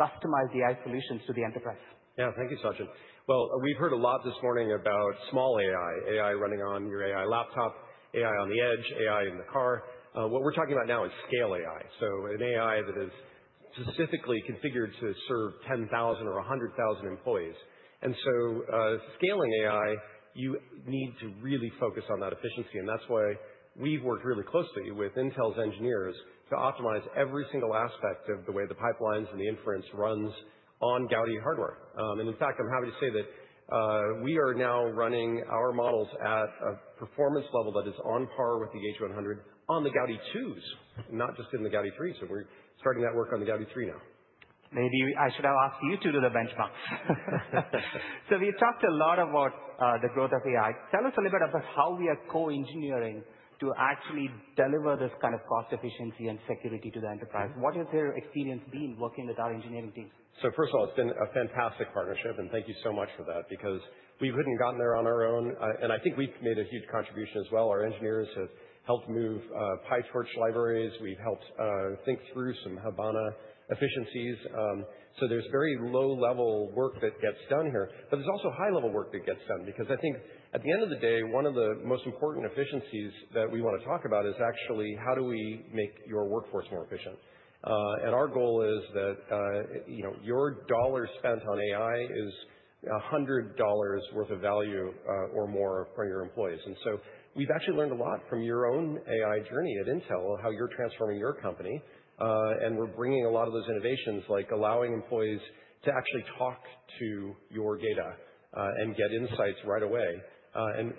Speaker 10: customized AI solutions to the enterprise.
Speaker 11: Yeah, thank you, Sachin. We've heard a lot this morning about small AI, AI running on your AI laptop, AI on the edge, AI in the car. What we're talking about now is scale AI, so an AI that is specifically configured to serve 10,000 or 100,000 employees. Scaling AI, you need to really focus on that efficiency. That's why we've worked really closely with Intel's engineers to optimize every single aspect of the way the pipelines and the inference runs on Gaudi hardware. In fact, I'm happy to say that we are now running our models at a performance level that is on par with the H100 on the Gaudi 2, not just in the Gaudi 3. We're starting that work on the Gaudi 3 now.
Speaker 10: Maybe I should have asked you to do the benchmarks. We talked a lot about the growth of AI. Tell us a little bit about how we are co-engineering to actually deliver this kind of cost efficiency and security to the enterprise. What has your experience been working with our engineering teams?
Speaker 11: First of all, it's been a fantastic partnership. Thank you so much for that because we wouldn't have gotten there on our own. I think we've made a huge contribution as well. Our engineers have helped move PyTorch libraries. We've helped think through some Habana efficiencies. There's very low-level work that gets done here. There's also high-level work that gets done because I think at the end of the day, one of the most important efficiencies that we want to talk about is actually how do we make your workforce more efficient? Our goal is that your dollar spent on AI is $100 worth of value or more for your employees. We've actually learned a lot from your own AI journey at Intel, how you're transforming your company. We are bringing a lot of those innovations, like allowing employees to actually talk to your data and get insights right away.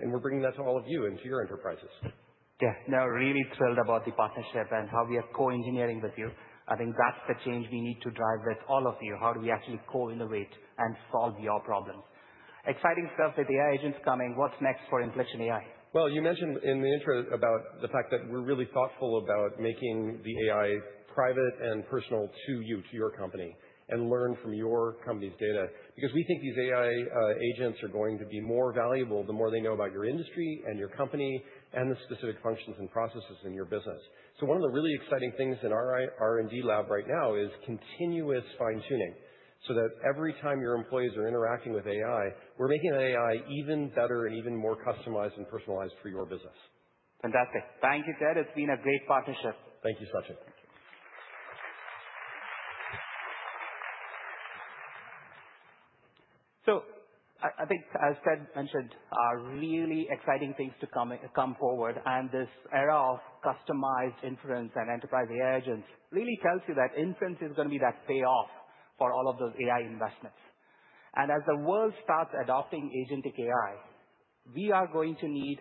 Speaker 11: We are bringing that to all of you and to your enterprises.
Speaker 10: Yeah, now really thrilled about the partnership and how we are co-engineering with you. I think that's the change we need to drive with all of you. How do we actually co-innovate and solve your problems? Exciting stuff with AI agents coming. What's next for Inflection AI?
Speaker 11: You mentioned in the intro about the fact that we're really thoughtful about making the AI private and personal to you, to your company, and learn from your company's data because we think these AI agents are going to be more valuable the more they know about your industry and your company and the specific functions and processes in your business. One of the really exciting things in our R&D lab right now is continuous fine-tuning so that every time your employees are interacting with AI, we're making the AI even better and even more customized and personalized for your business.
Speaker 10: Fantastic. Thank you, Ted. It's been a great partnership.
Speaker 11: Thank you, Sachin.
Speaker 10: I think, as Ted mentioned, really exciting things to come forward. This era of customized inference and enterprise AI agents really tells you that inference is going to be that payoff for all of those AI investments. As the world starts adopting agentic AI, we are going to need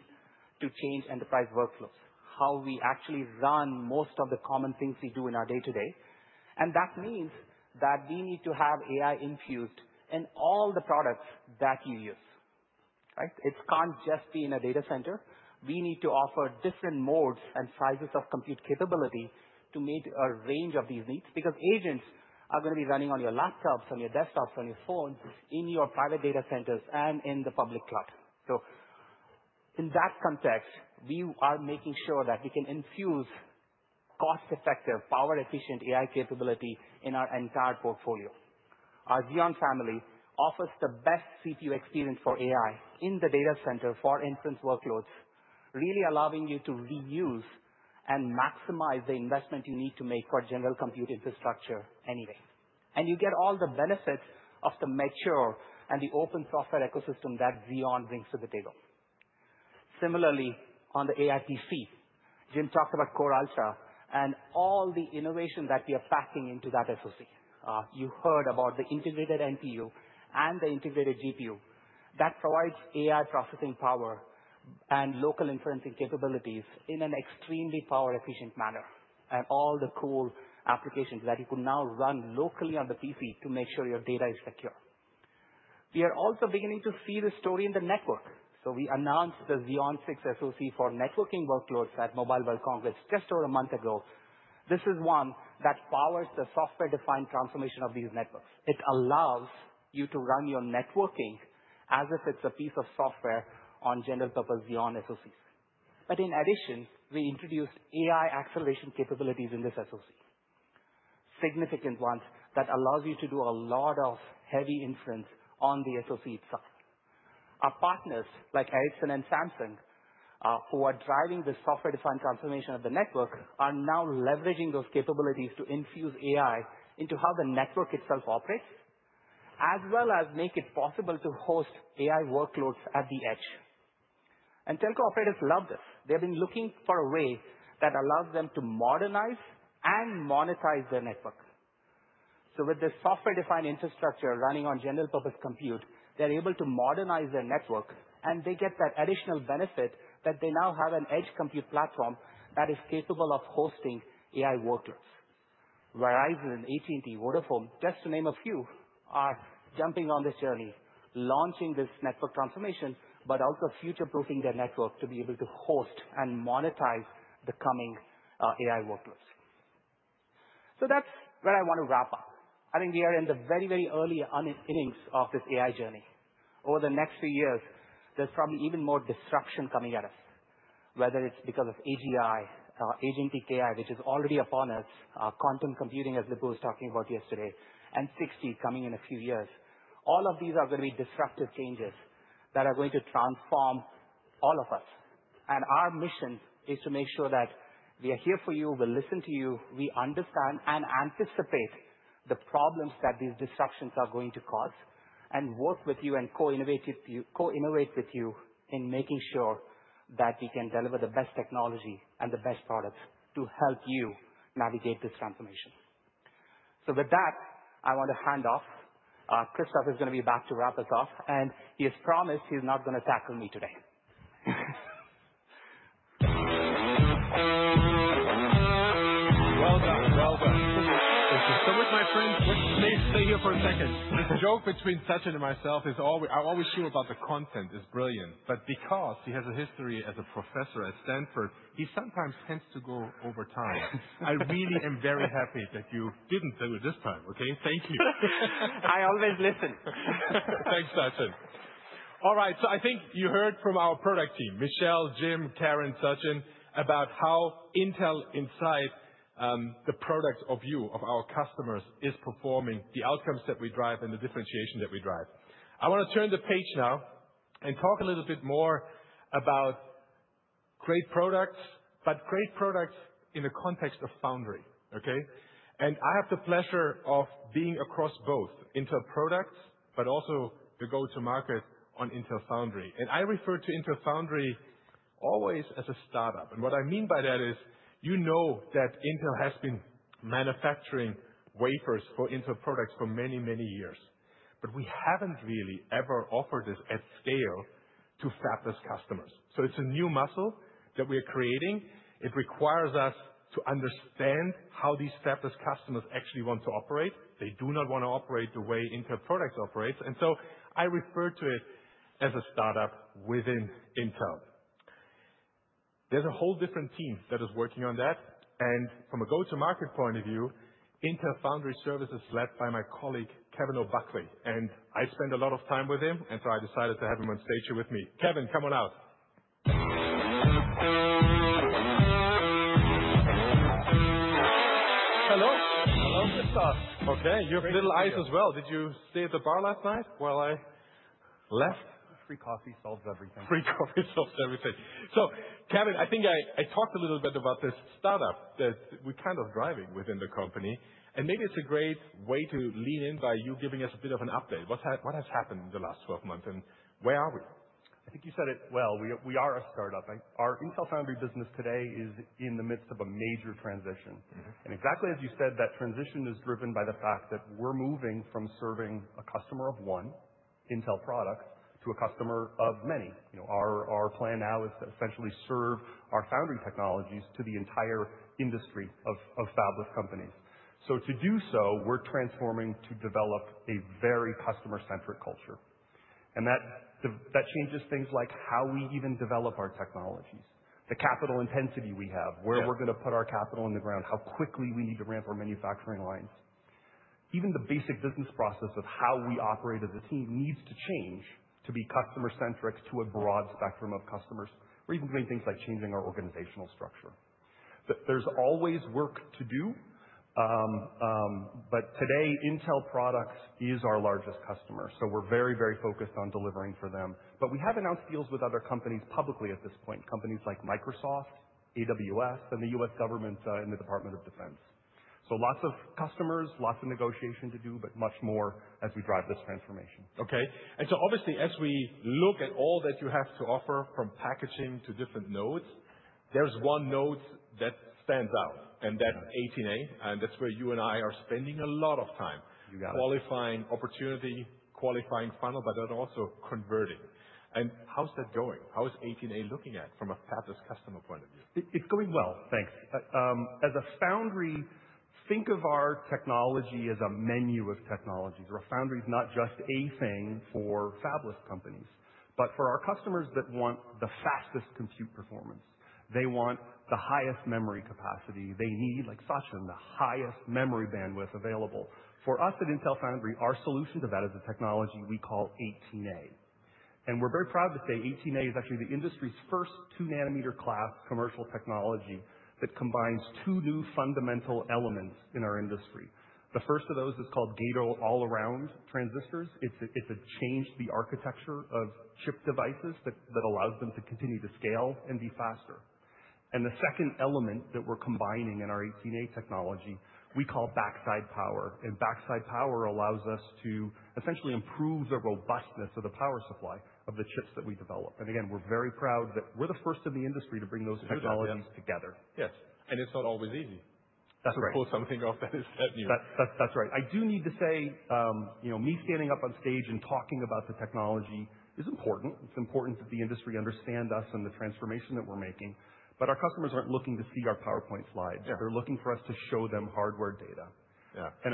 Speaker 10: to change enterprise workflows, how we actually run most of the common things we do in our day-to-day. That means that we need to have AI infused in all the products that you use. It can't just be in a data center. We need to offer different modes and sizes of compute capability to meet a range of these needs because agents are going to be running on your laptops, on your desktops, on your phones, in your private data centers, and in the public cloud. In that context, we are making sure that we can infuse cost-effective, power-efficient AI capability in our entire portfolio. Our Xeon family offers the best CPU experience for AI in the data center for inference workloads, really allowing you to reuse and maximize the investment you need to make for general compute infrastructure anyway. You get all the benefits of the mature and the open software ecosystem that Xeon brings to the table. Similarly, on the AI PC, Jim talked about Core Ultra and all the innovation that we are packing into that SoC. You heard about the integrated NPU and the integrated GPU that provides AI processing power and local inferencing capabilities in an extremely power-efficient manner and all the cool applications that you could now run locally on the PC to make sure your data is secure. We are also beginning to see the story in the network. We announced the Xeon 6 SoC for networking workloads at Mobile World Congress just over a month ago. This is one that powers the software-defined transformation of these networks. It allows you to run your networking as if it's a piece of software on general-purpose Xeon SoCs. In addition, we introduced AI acceleration capabilities in this SoC, significant ones that allow you to do a lot of heavy inference on the SoC itself. Our partners like Ericsson and Samsung, who are driving the software-defined transformation of the network, are now leveraging those capabilities to infuse AI into how the network itself operates, as well as make it possible to host AI workloads at the edge. Telco operators love this. They've been looking for a way that allows them to modernize and monetize their network. With this software-defined infrastructure running on general-purpose compute, they're able to modernize their network, and they get that additional benefit that they now have an edge compute platform that is capable of hosting AI workloads. Verizon, AT&T, Vodafone, just to name a few, are jumping on this journey, launching this network transformation, but also future-proofing their network to be able to host and monetize the coming AI workloads. That's where I want to wrap up. I think we are in the very, very early innings of this AI journey. Over the next few years, there's probably even more disruption coming at us, whether it's because of AGI, agentic AI, which is already upon us, quantum computing, as Lip-Bu Tan was talking about yesterday, and 6G coming in a few years. All of these are going to be disruptive changes that are going to transform all of us. Our mission is to make sure that we are here for you. We'll listen to you. We understand and anticipate the problems that these disruptions are going to cause and work with you and co-innovate with you in making sure that we can deliver the best technology and the best products to help you navigate this transformation. With that, I want to hand off. Christoph is going to be back to wrap us off. He has promised he's not going to tackle me today.
Speaker 1: Well done. Well done. Thank you so much, my friend. Let's stay here for a second. The joke between Sachin and myself is always I always share about the content is brilliant. Because he has a history as a professor at Stanford, he sometimes tends to go over time. I really am very happy that you didn't do it this time. Okay? Thank you.
Speaker 10: I always listen.
Speaker 1: Thanks, Sachin. All right. I think you heard from our product team, Michelle, Jim, Kelleher, Sachin, about how Intel inside the product of you, of our customers, is performing the outcomes that we drive and the differentiation that we drive. I want to turn the page now and talk a little bit more about great products, but great products in the context of Foundry. Okay? I have the pleasure of being across both Intel products, but also the go-to-market on Intel Foundry. I refer to Intel Foundry always as a startup. What I mean by that is you know that Intel has been manufacturing wafers for Intel products for many, many years. We have not really ever offered this at scale to fabless customers. It is a new muscle that we are creating. It requires us to understand how these fabless customers actually want to operate. They do not want to operate the way Intel products operate. I refer to it as a startup within Intel. There is a whole different team that is working on that. From a go-to-market point of view, Intel Foundry Services is led by my colleague, Kevin O'Buckley. I spend a lot of time with him. I decided to have him on stage here with me. Kevin, come on out.
Speaker 12: Hello. Hello, Christoph.
Speaker 1: Okay. You have little eyes as well. Did you stay at the bar last night while I left?
Speaker 12: Free coffee solves everything.
Speaker 1: Free coffee solves everything. Kevin, I think I talked a little bit about this startup that we're kind of driving within the company. Maybe it's a great way to lean in by you giving us a bit of an update. What has happened in the last 12 months? Where are we?
Speaker 12: I think you said it well. We are a startup. Our Intel Foundry business today is in the midst of a major transition. Exactly as you said, that transition is driven by the fact that we're moving from serving a customer of one Intel product to a customer of many. Our plan now is to essentially serve our foundry technologies to the entire industry of fabless companies. To do so, we're transforming to develop a very customer-centric culture. That changes things like how we even develop our technologies, the capital intensity we have, where we're going to put our capital in the ground, how quickly we need to ramp our manufacturing lines. Even the basic business process of how we operate as a team needs to change to be customer-centric to a broad spectrum of customers. We're even doing things like changing our organizational structure. There's always work to do. Today, Intel products is our largest customer. We are very, very focused on delivering for them. We have announced deals with other companies publicly at this point, companies like Microsoft, AWS, and the U.S. government in the Department of Defense. Lots of customers, lots of negotiation to do, but much more as we drive this transformation.
Speaker 1: Okay. Obviously, as we look at all that you have to offer from packaging to different nodes, there is one node that stands out. That is 18A. That is where you and I are spending a lot of time qualifying opportunity, qualifying funnel, but then also converting. How is that going? How is 18A looking at from a fabless customer point of view?
Speaker 12: It's going well. Thanks. As a foundry, think of our technology as a menu of technologies. Our foundry is not just a thing for fabless companies, but for our customers that want the fastest compute performance. They want the highest memory capacity. They need, like Sachin, the highest memory bandwidth available. For us at Intel Foundry, our solution to that is a technology we call 18A. We're very proud to say 18A is actually the industry's first two-nanometer class commercial technology that combines two new fundamental elements in our industry. The first of those is called Gate-All-Around Transistors. It's a change to the architecture of chip devices that allows them to continue to scale and be faster. The second element that we're combining in our 18A technology, we call backside power. Backside power allows us to essentially improve the robustness of the power supply of the chips that we develop. Again, we're very proud that we're the first in the industry to bring those technologies together.
Speaker 1: Yes. It's not always easy.
Speaker 12: That's right.
Speaker 1: To pull something off that is set new.
Speaker 12: That's right. I do need to say me standing up on stage and talking about the technology is important. It's important that the industry understands us and the transformation that we're making. Our customers aren't looking to see our PowerPoint slides. They're looking for us to show them hardware data.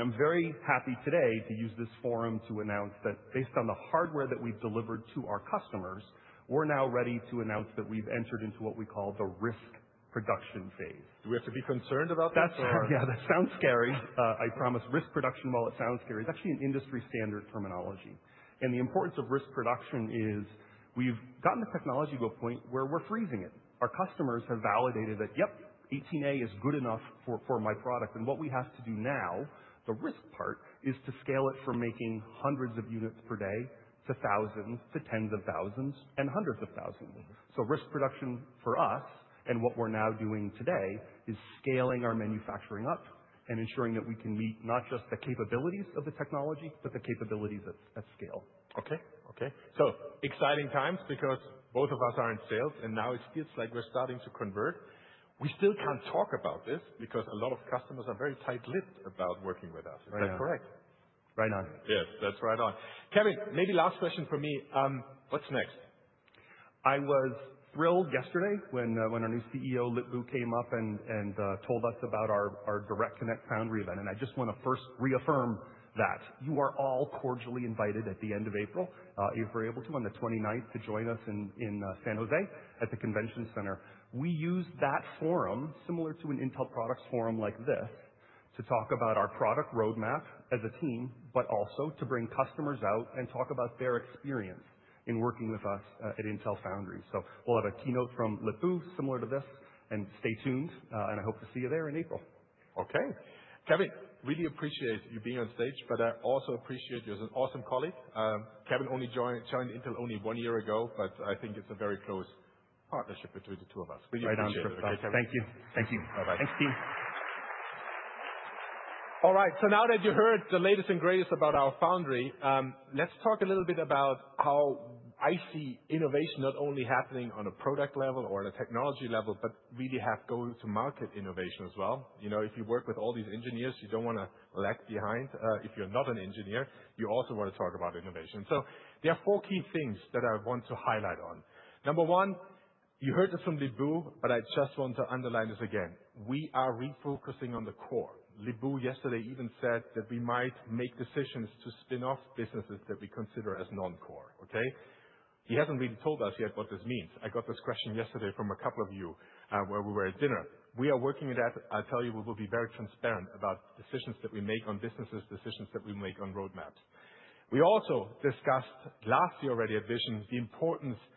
Speaker 12: I'm very happy today to use this forum to announce that based on the hardware that we've delivered to our customers, we're now ready to announce that we've entered into what we call the risk production phase.
Speaker 1: Do we have to be concerned about that?
Speaker 12: Yeah, that sounds scary. I promise. Risk production, while it sounds scary, is actually an industry standard terminology. The importance of risk production is we've gotten the technology to a point where we're freezing it. Our customers have validated that, yep, 18A is good enough for my product. What we have to do now, the risk part, is to scale it from making hundreds of units per day to thousands to tens of thousands and hundreds of thousands. Risk production for us and what we're now doing today is scaling our manufacturing up and ensuring that we can meet not just the capabilities of the technology, but the capabilities at scale.
Speaker 1: Okay. Okay. Exciting times because both of us are in sales. Now it feels like we're starting to convert. We still can't talk about this because a lot of customers are very tight-lipped about working with us. Is that correct?
Speaker 12: Right on.
Speaker 1: Yes, that's right on. Kevin, maybe last question for me. What's next?
Speaker 12: I was thrilled yesterday when our new CEO, Lip-Bu Tan, came up and told us about our Direct Connect Foundry event. I just want to first reaffirm that. You are all cordially invited at the end of April, if you're able to, on the 29th to join us in San Jose at the Convention Center. We use that forum, similar to an Intel products forum like this, to talk about our product roadmap as a team, but also to bring customers out and talk about their experience in working with us at Intel Foundry. We will have a keynote from Lip-Bu Tan similar to this. Stay tuned. I hope to see you there in April.
Speaker 1: Okay. Kevin, really appreciate you being on stage. I also appreciate you as an awesome colleague. Kevin only joined Intel only one year ago. I think it's a very close partnership between the two of us.
Speaker 12: Thank you. Thank you. Thanks, team.
Speaker 1: All right. Now that you heard the latest and greatest about our foundry, let's talk a little bit about how I see innovation not only happening on a product level or on a technology level, but really have go-to-market innovation as well. If you work with all these engineers, you don't want to lag behind. If you're not an engineer, you also want to talk about innovation. There are four key things that I want to highlight on. Number one, you heard this from Lip-Bu Tan, but I just want to underline this again. We are refocusing on the core. Lip-Bu yesterday even said that we might make decisions to spin off businesses that we consider as non-core. He hasn't really told us yet what this means. I got this question yesterday from a couple of you where we were at dinner. We are working on that. I'll tell you, we will be very transparent about decisions that we make on businesses, decisions that we make on roadmaps. We also discussed last year already at Vision the importance of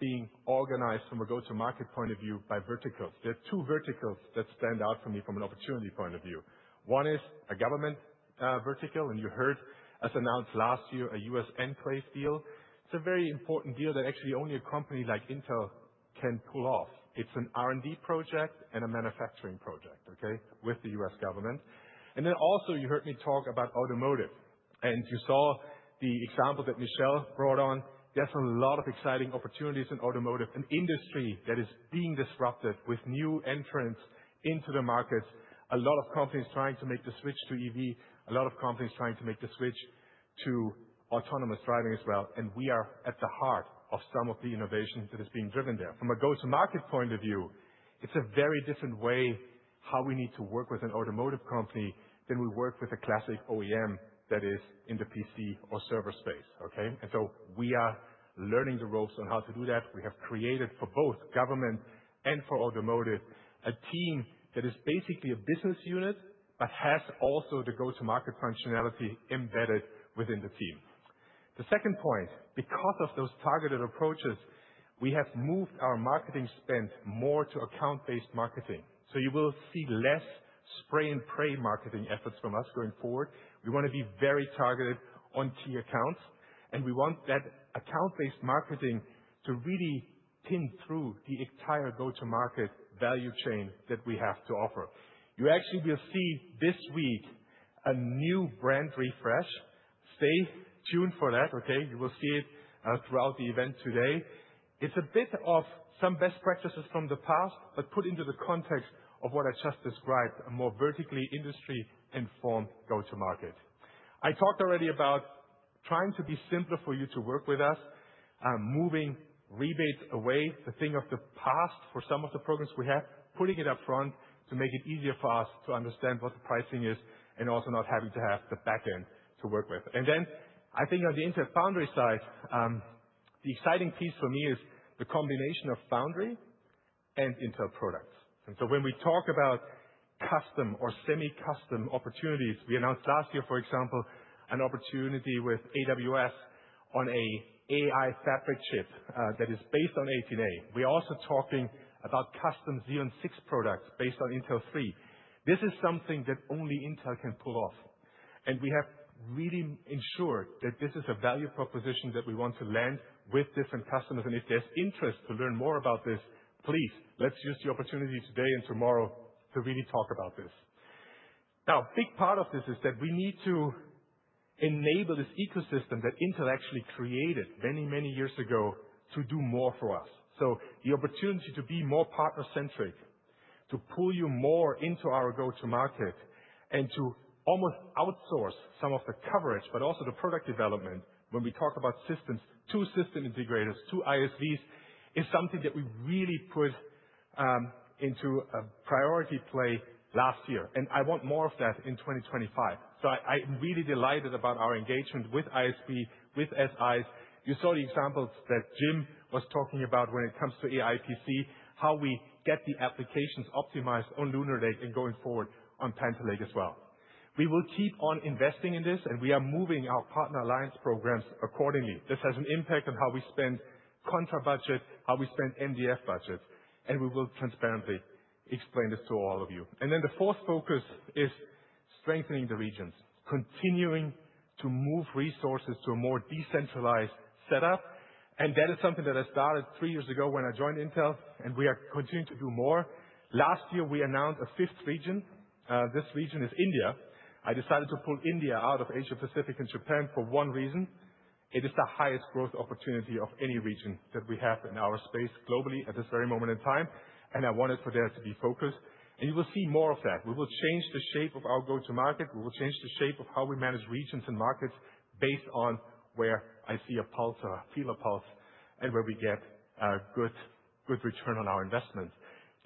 Speaker 1: being organized from a go-to-market point of view by verticals. There are two verticals that stand out for me from an opportunity point of view. One is a government vertical. You heard, as announced last year, a US enclave deal. It's a very important deal that actually only a company like Intel can pull off. It's an R&D project and a manufacturing project, okay, with the US government. You also heard me talk about automotive. You saw the example that Michelle brought on. There's a lot of exciting opportunities in automotive, an industry that is being disrupted with new entrants into the markets. A lot of companies trying to make the switch to EV. A lot of companies trying to make the switch to autonomous driving as well. We are at the heart of some of the innovation that is being driven there. From a go-to-market point of view, it's a very different way how we need to work with an automotive company than we work with a classic OEM that is in the PC or server space. Okay? We are learning the ropes on how to do that. We have created for both government and for automotive a team that is basically a business unit, but has also the go-to-market functionality embedded within the team. The second point, because of those targeted approaches, we have moved our marketing spend more to account-based marketing. You will see less spray-and-pray marketing efforts from us going forward. We want to be very targeted on key accounts. We want that account-based marketing to really pin through the entire go-to-market value chain that we have to offer. You actually will see this week a new brand refresh. Stay tuned for that. Okay? You will see it throughout the event today. It's a bit of some best practices from the past, but put into the context of what I just described, a more vertically industry-informed go-to-market. I talked already about trying to be simpler for you to work with us, moving rebates away, the thing of the past for some of the programs we have, putting it upfront to make it easier for us to understand what the pricing is and also not having to have the backend to work with. I think on the Intel Foundry side, the exciting piece for me is the combination of Foundry and Intel products. When we talk about custom or semi-custom opportunities, we announced last year, for example, an opportunity with AWS on an AI fabric chip that is based on 18A. We're also talking about custom Xeon 6 products based on Intel 3. This is something that only Intel can pull off. We have really ensured that this is a value proposition that we want to land with different customers. If there's interest to learn more about this, please, let's use the opportunity today and tomorrow to really talk about this. A big part of this is that we need to enable this ecosystem that Intel actually created many, many years ago to do more for us. The opportunity to be more partner-centric, to pull you more into our go-to-market, and to almost outsource some of the coverage, but also the product development when we talk about systems, to system integrators, to ISVs is something that we really put into a priority play last year. I want more of that in 2025. I'm really delighted about our engagement with ISVs, with SIs. You saw the examples that Jim was talking about when it comes to AI PC, how we get the applications optimized on Lunar Lake and going forward on Panther Lake as well. We will keep on investing in this. We are moving our partner alliance programs accordingly. This has an impact on how we spend contra budget, how we spend MDF budget. We will transparently explain this to all of you. The fourth focus is strengthening the regions, continuing to move resources to a more decentralized setup. That is something that I started three years ago when I joined Intel. We are continuing to do more. Last year, we announced a fifth region. This region is India. I decided to pull India out of Asia-Pacific and Japan for one reason. It is the highest growth opportunity of any region that we have in our space globally at this very moment in time. I wanted for there to be focus. You will see more of that. We will change the shape of our go-to-market. We will change the shape of how we manage regions and markets based on where I see a pulse, feel a pulse, and where we get a good return on our investments.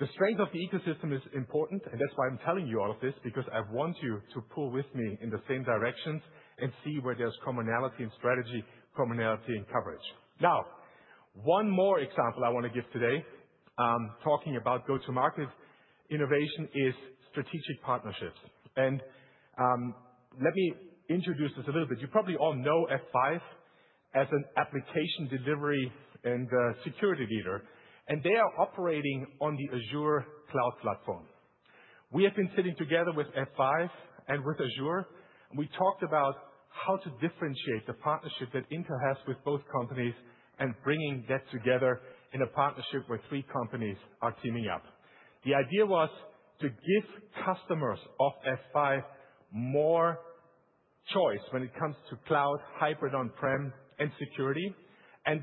Speaker 1: The strength of the ecosystem is important. That is why I'm telling you all of this, because I want you to pull with me in the same directions and see where there's commonality in strategy, commonality in coverage. One more example I want to give today talking about go-to-market innovation is strategic partnerships. Let me introduce this a little bit. You probably all know F5 as an application delivery and security leader. They are operating on the Azure Cloud Platform. We have been sitting together with F5 and with Azure. We talked about how to differentiate the partnership that Intel has with both companies and bringing that together in a partnership where three companies are teaming up. The idea was to give customers of F5 more choice when it comes to cloud, hybrid on-prem, and security.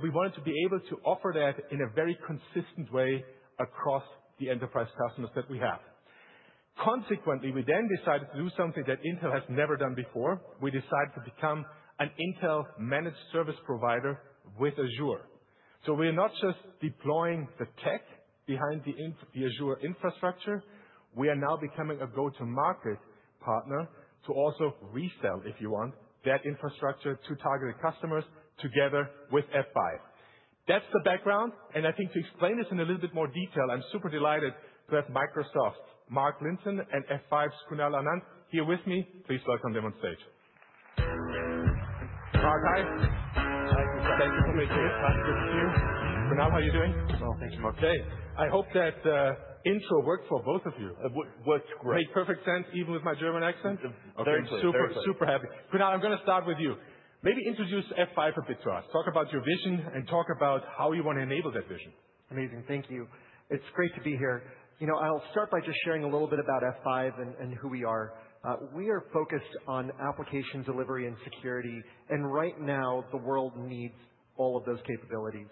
Speaker 1: We wanted to be able to offer that in a very consistent way across the enterprise customers that we have. Consequently, we then decided to do something that Intel has never done before. We decided to become an Intel managed service provider with Azure. We are not just deploying the tech behind the Azure infrastructure. We are now becoming a go-to-market partner to also resell, if you want, that infrastructure to targeted customers together with F5. That is the background. I think to explain this in a little bit more detail, I am super delighted to have Microsoft's Mark Linton and F5's Kunal Anand here with me. Please welcome them on stage. Mark, hi.
Speaker 13: Hi, Chris.
Speaker 1: Thank you for making it. Good to see you. Kunal, how are you doing? Thank you, Mark. Okay. I hope that intro worked for both of you.
Speaker 13: It worked great.
Speaker 1: Made perfect sense, even with my German accent.
Speaker 13: Very clear.
Speaker 1: Very clear. Super happy. Kunal, I'm going to start with you. Maybe introduce F5 a bit to us. Talk about your vision and talk about how you want to enable that vision.
Speaker 14: Amazing. Thank you. It's great to be here. I'll start by just sharing a little bit about F5 and who we are. We are focused on application delivery and security. Right now, the world needs all of those capabilities.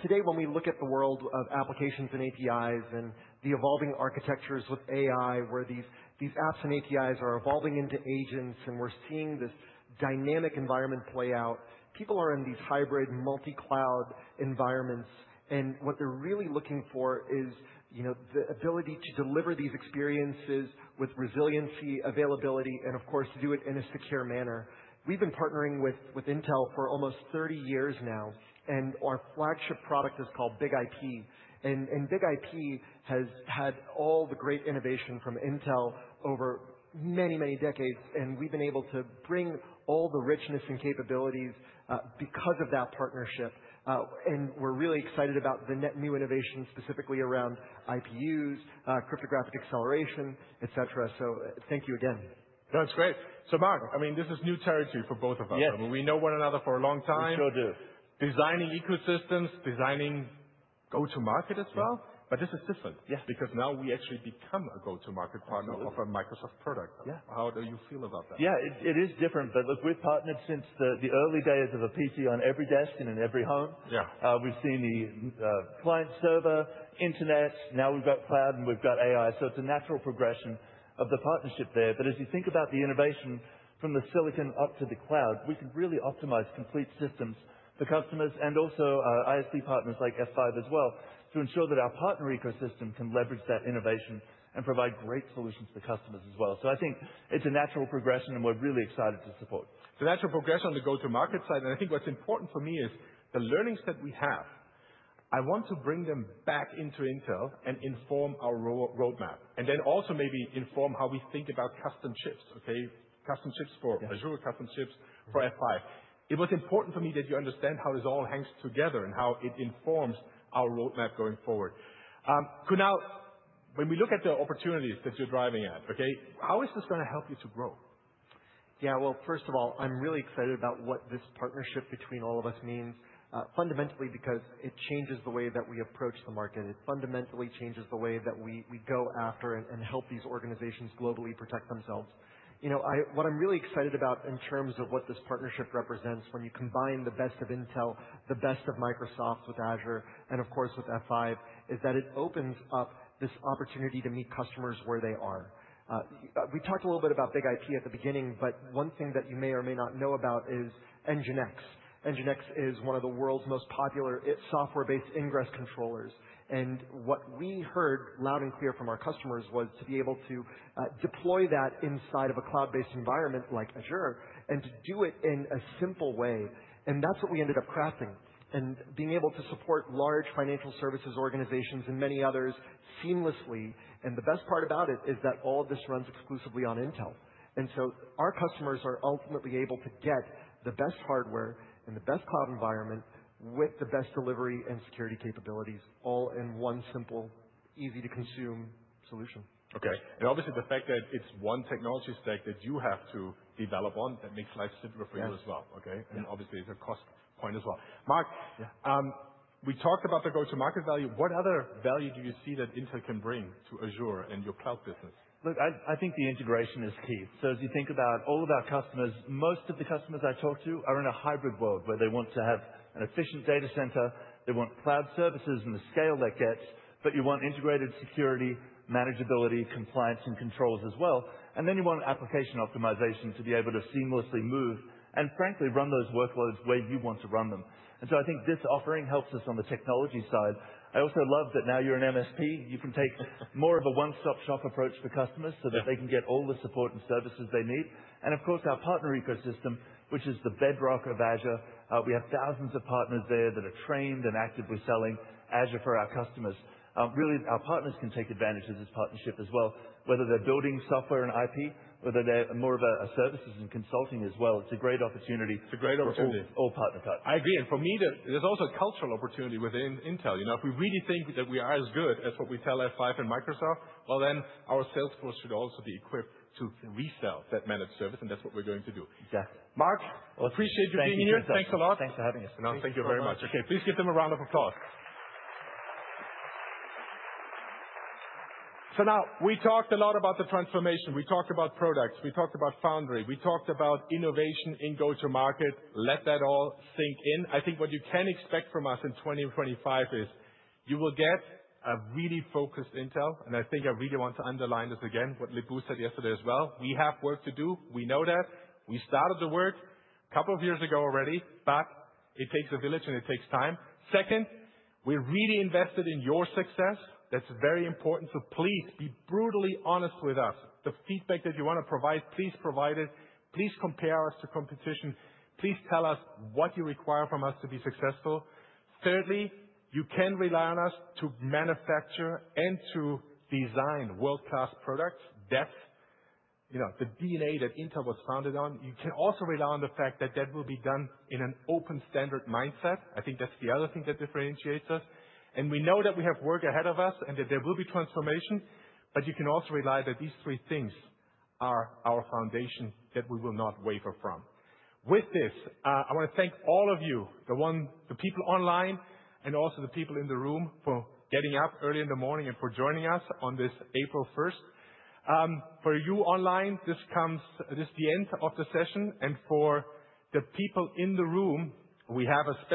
Speaker 14: Today, when we look at the world of applications and APIs and the evolving architectures with AI, where these apps and APIs are evolving into agents, and we're seeing this dynamic environment play out, people are in these hybrid multi-cloud environments. What they're really looking for is the ability to deliver these experiences with resiliency, availability, and, of course, to do it in a secure manner. We've been partnering with Intel for almost 30 years now. Our flagship product is called Big IP. Big IP has had all the great innovation from Intel over many, many decades. We have been able to bring all the richness and capabilities because of that partnership. We are really excited about the net new innovation, specifically around IPUs, cryptographic acceleration, et cetera. Thank you again.
Speaker 1: That's great. Mark, I mean, this is new territory for both of us. I mean, we know one another for a long time.
Speaker 13: We sure do.
Speaker 1: Designing ecosystems, designing go-to-market as well. This is different.
Speaker 13: Yes.
Speaker 1: Because now we actually become a go-to-market partner of a Microsoft product.
Speaker 13: Yes.
Speaker 1: How do you feel about that?
Speaker 13: Yeah, it is different. Look, we've partnered since the early days of a PC on every desk and in every home. We've seen the client server, internet. Now we've got cloud, and we've got AI. It is a natural progression of the partnership there. As you think about the innovation from the silicon up to the cloud, we can really optimize complete systems for customers and also ISP partners like F5 as well to ensure that our partner ecosystem can leverage that innovation and provide great solutions for customers as well. I think it's a natural progression, and we're really excited to support. It's a natural progression on the go-to-market side. I think what's important for me is the learnings that we have. I want to bring them back into Intel and inform our roadmap, and then also maybe inform how we think about custom chips, okay, custom chips for Azure, custom chips for F5. It was important for me that you understand how this all hangs together and how it informs our roadmap going forward. Kunal, when we look at the opportunities that you're driving at, okay, how is this going to help you to grow? Yeah, first of all, I'm really excited about what this partnership between all of us means, fundamentally, because it changes the way that we approach the market. It fundamentally changes the way that we go after and help these organizations globally protect themselves. What I'm really excited about in terms of what this partnership represents when you combine the best of Intel, the best of Microsoft with Azure, and, of course, with F5, is that it opens up this opportunity to meet customers where they are. We talked a little bit about Big IP at the beginning, but one thing that you may or may not know about is Nginx. Nginx is one of the world's most popular software-based ingress controllers. What we heard loud and clear from our customers was to be able to deploy that inside of a cloud-based environment like Azure and to do it in a simple way. That is what we ended up crafting. Being able to support large financial services organizations and many others seamlessly. The best part about it is that all of this runs exclusively on Intel. Our customers are ultimately able to get the best hardware and the best cloud environment with the best delivery and security capabilities, all in one simple, easy-to-consume solution.
Speaker 1: Okay. Obviously, the fact that it's one technology stack that you have to develop on, that makes life simpler for you as well.
Speaker 14: Yes.
Speaker 1: Okay. Obviously, it's a cost point as well. Mark, we talked about the go-to-market value. What other value do you see that Intel can bring to Azure and your cloud business?
Speaker 13: Look, I think the integration is key. As you think about all of our customers, most of the customers I talk to are in a hybrid world where they want to have an efficient data center. They want cloud services and the scale that gets, but you want integrated security, manageability, compliance, and controls as well. You want application optimization to be able to seamlessly move and, frankly, run those workloads where you want to run them. I think this offering helps us on the technology side. I also love that now you're an MSP. You can take more of a one-stop-shop approach for customers so that they can get all the support and services they need. Of course, our partner ecosystem, which is the bedrock of Azure. We have thousands of partners there that are trained and actively selling Azure for our customers. Really, our partners can take advantage of this partnership as well, whether they're building software and IP, whether they're more of a services and consulting as well. It's a great opportunity.
Speaker 1: It's a great opportunity. For all partner types. I agree. For me, there's also a cultural opportunity within Intel. If we really think that we are as good as what we tell F5 and Microsoft, our salesforce should also be equipped to resell that managed service. That is what we are going to do.
Speaker 14: Exactly.
Speaker 1: Mark, I appreciate you being here.
Speaker 13: Thank you, Chris.
Speaker 1: Thanks a lot.
Speaker 13: Thanks for having us.
Speaker 14: No, thank you very much.
Speaker 1: Okay. Please give them a round of applause. Now we talked a lot about the transformation. We talked about products. We talked about Foundry. We talked about innovation in go-to-market. Let that all sink in. I think what you can expect from us in 2025 is you will get a really focused Intel. I think I really want to underline this again, what Lip-Bu said yesterday as well. We have work to do. We know that. We started the work a couple of years ago already, but it takes a village, and it takes time. Second, we're really invested in your success. That's very important. Please be brutally honest with us. The feedback that you want to provide, please provide it. Please compare us to competition. Please tell us what you require from us to be successful. Thirdly, you can rely on us to manufacture and to design world-class products, that's the DNA that Intel was founded on. You can also rely on the fact that that will be done in an open standard mindset. I think that's the other thing that differentiates us. We know that we have work ahead of us and that there will be transformation. You can also rely that these three things are our foundation that we will not waver from. With this, I want to thank all of you, the people online and also the people in the room for getting up early in the morning and for joining us on this April 1st. For you online, this is the end of the session. For the people in the room, we have a special.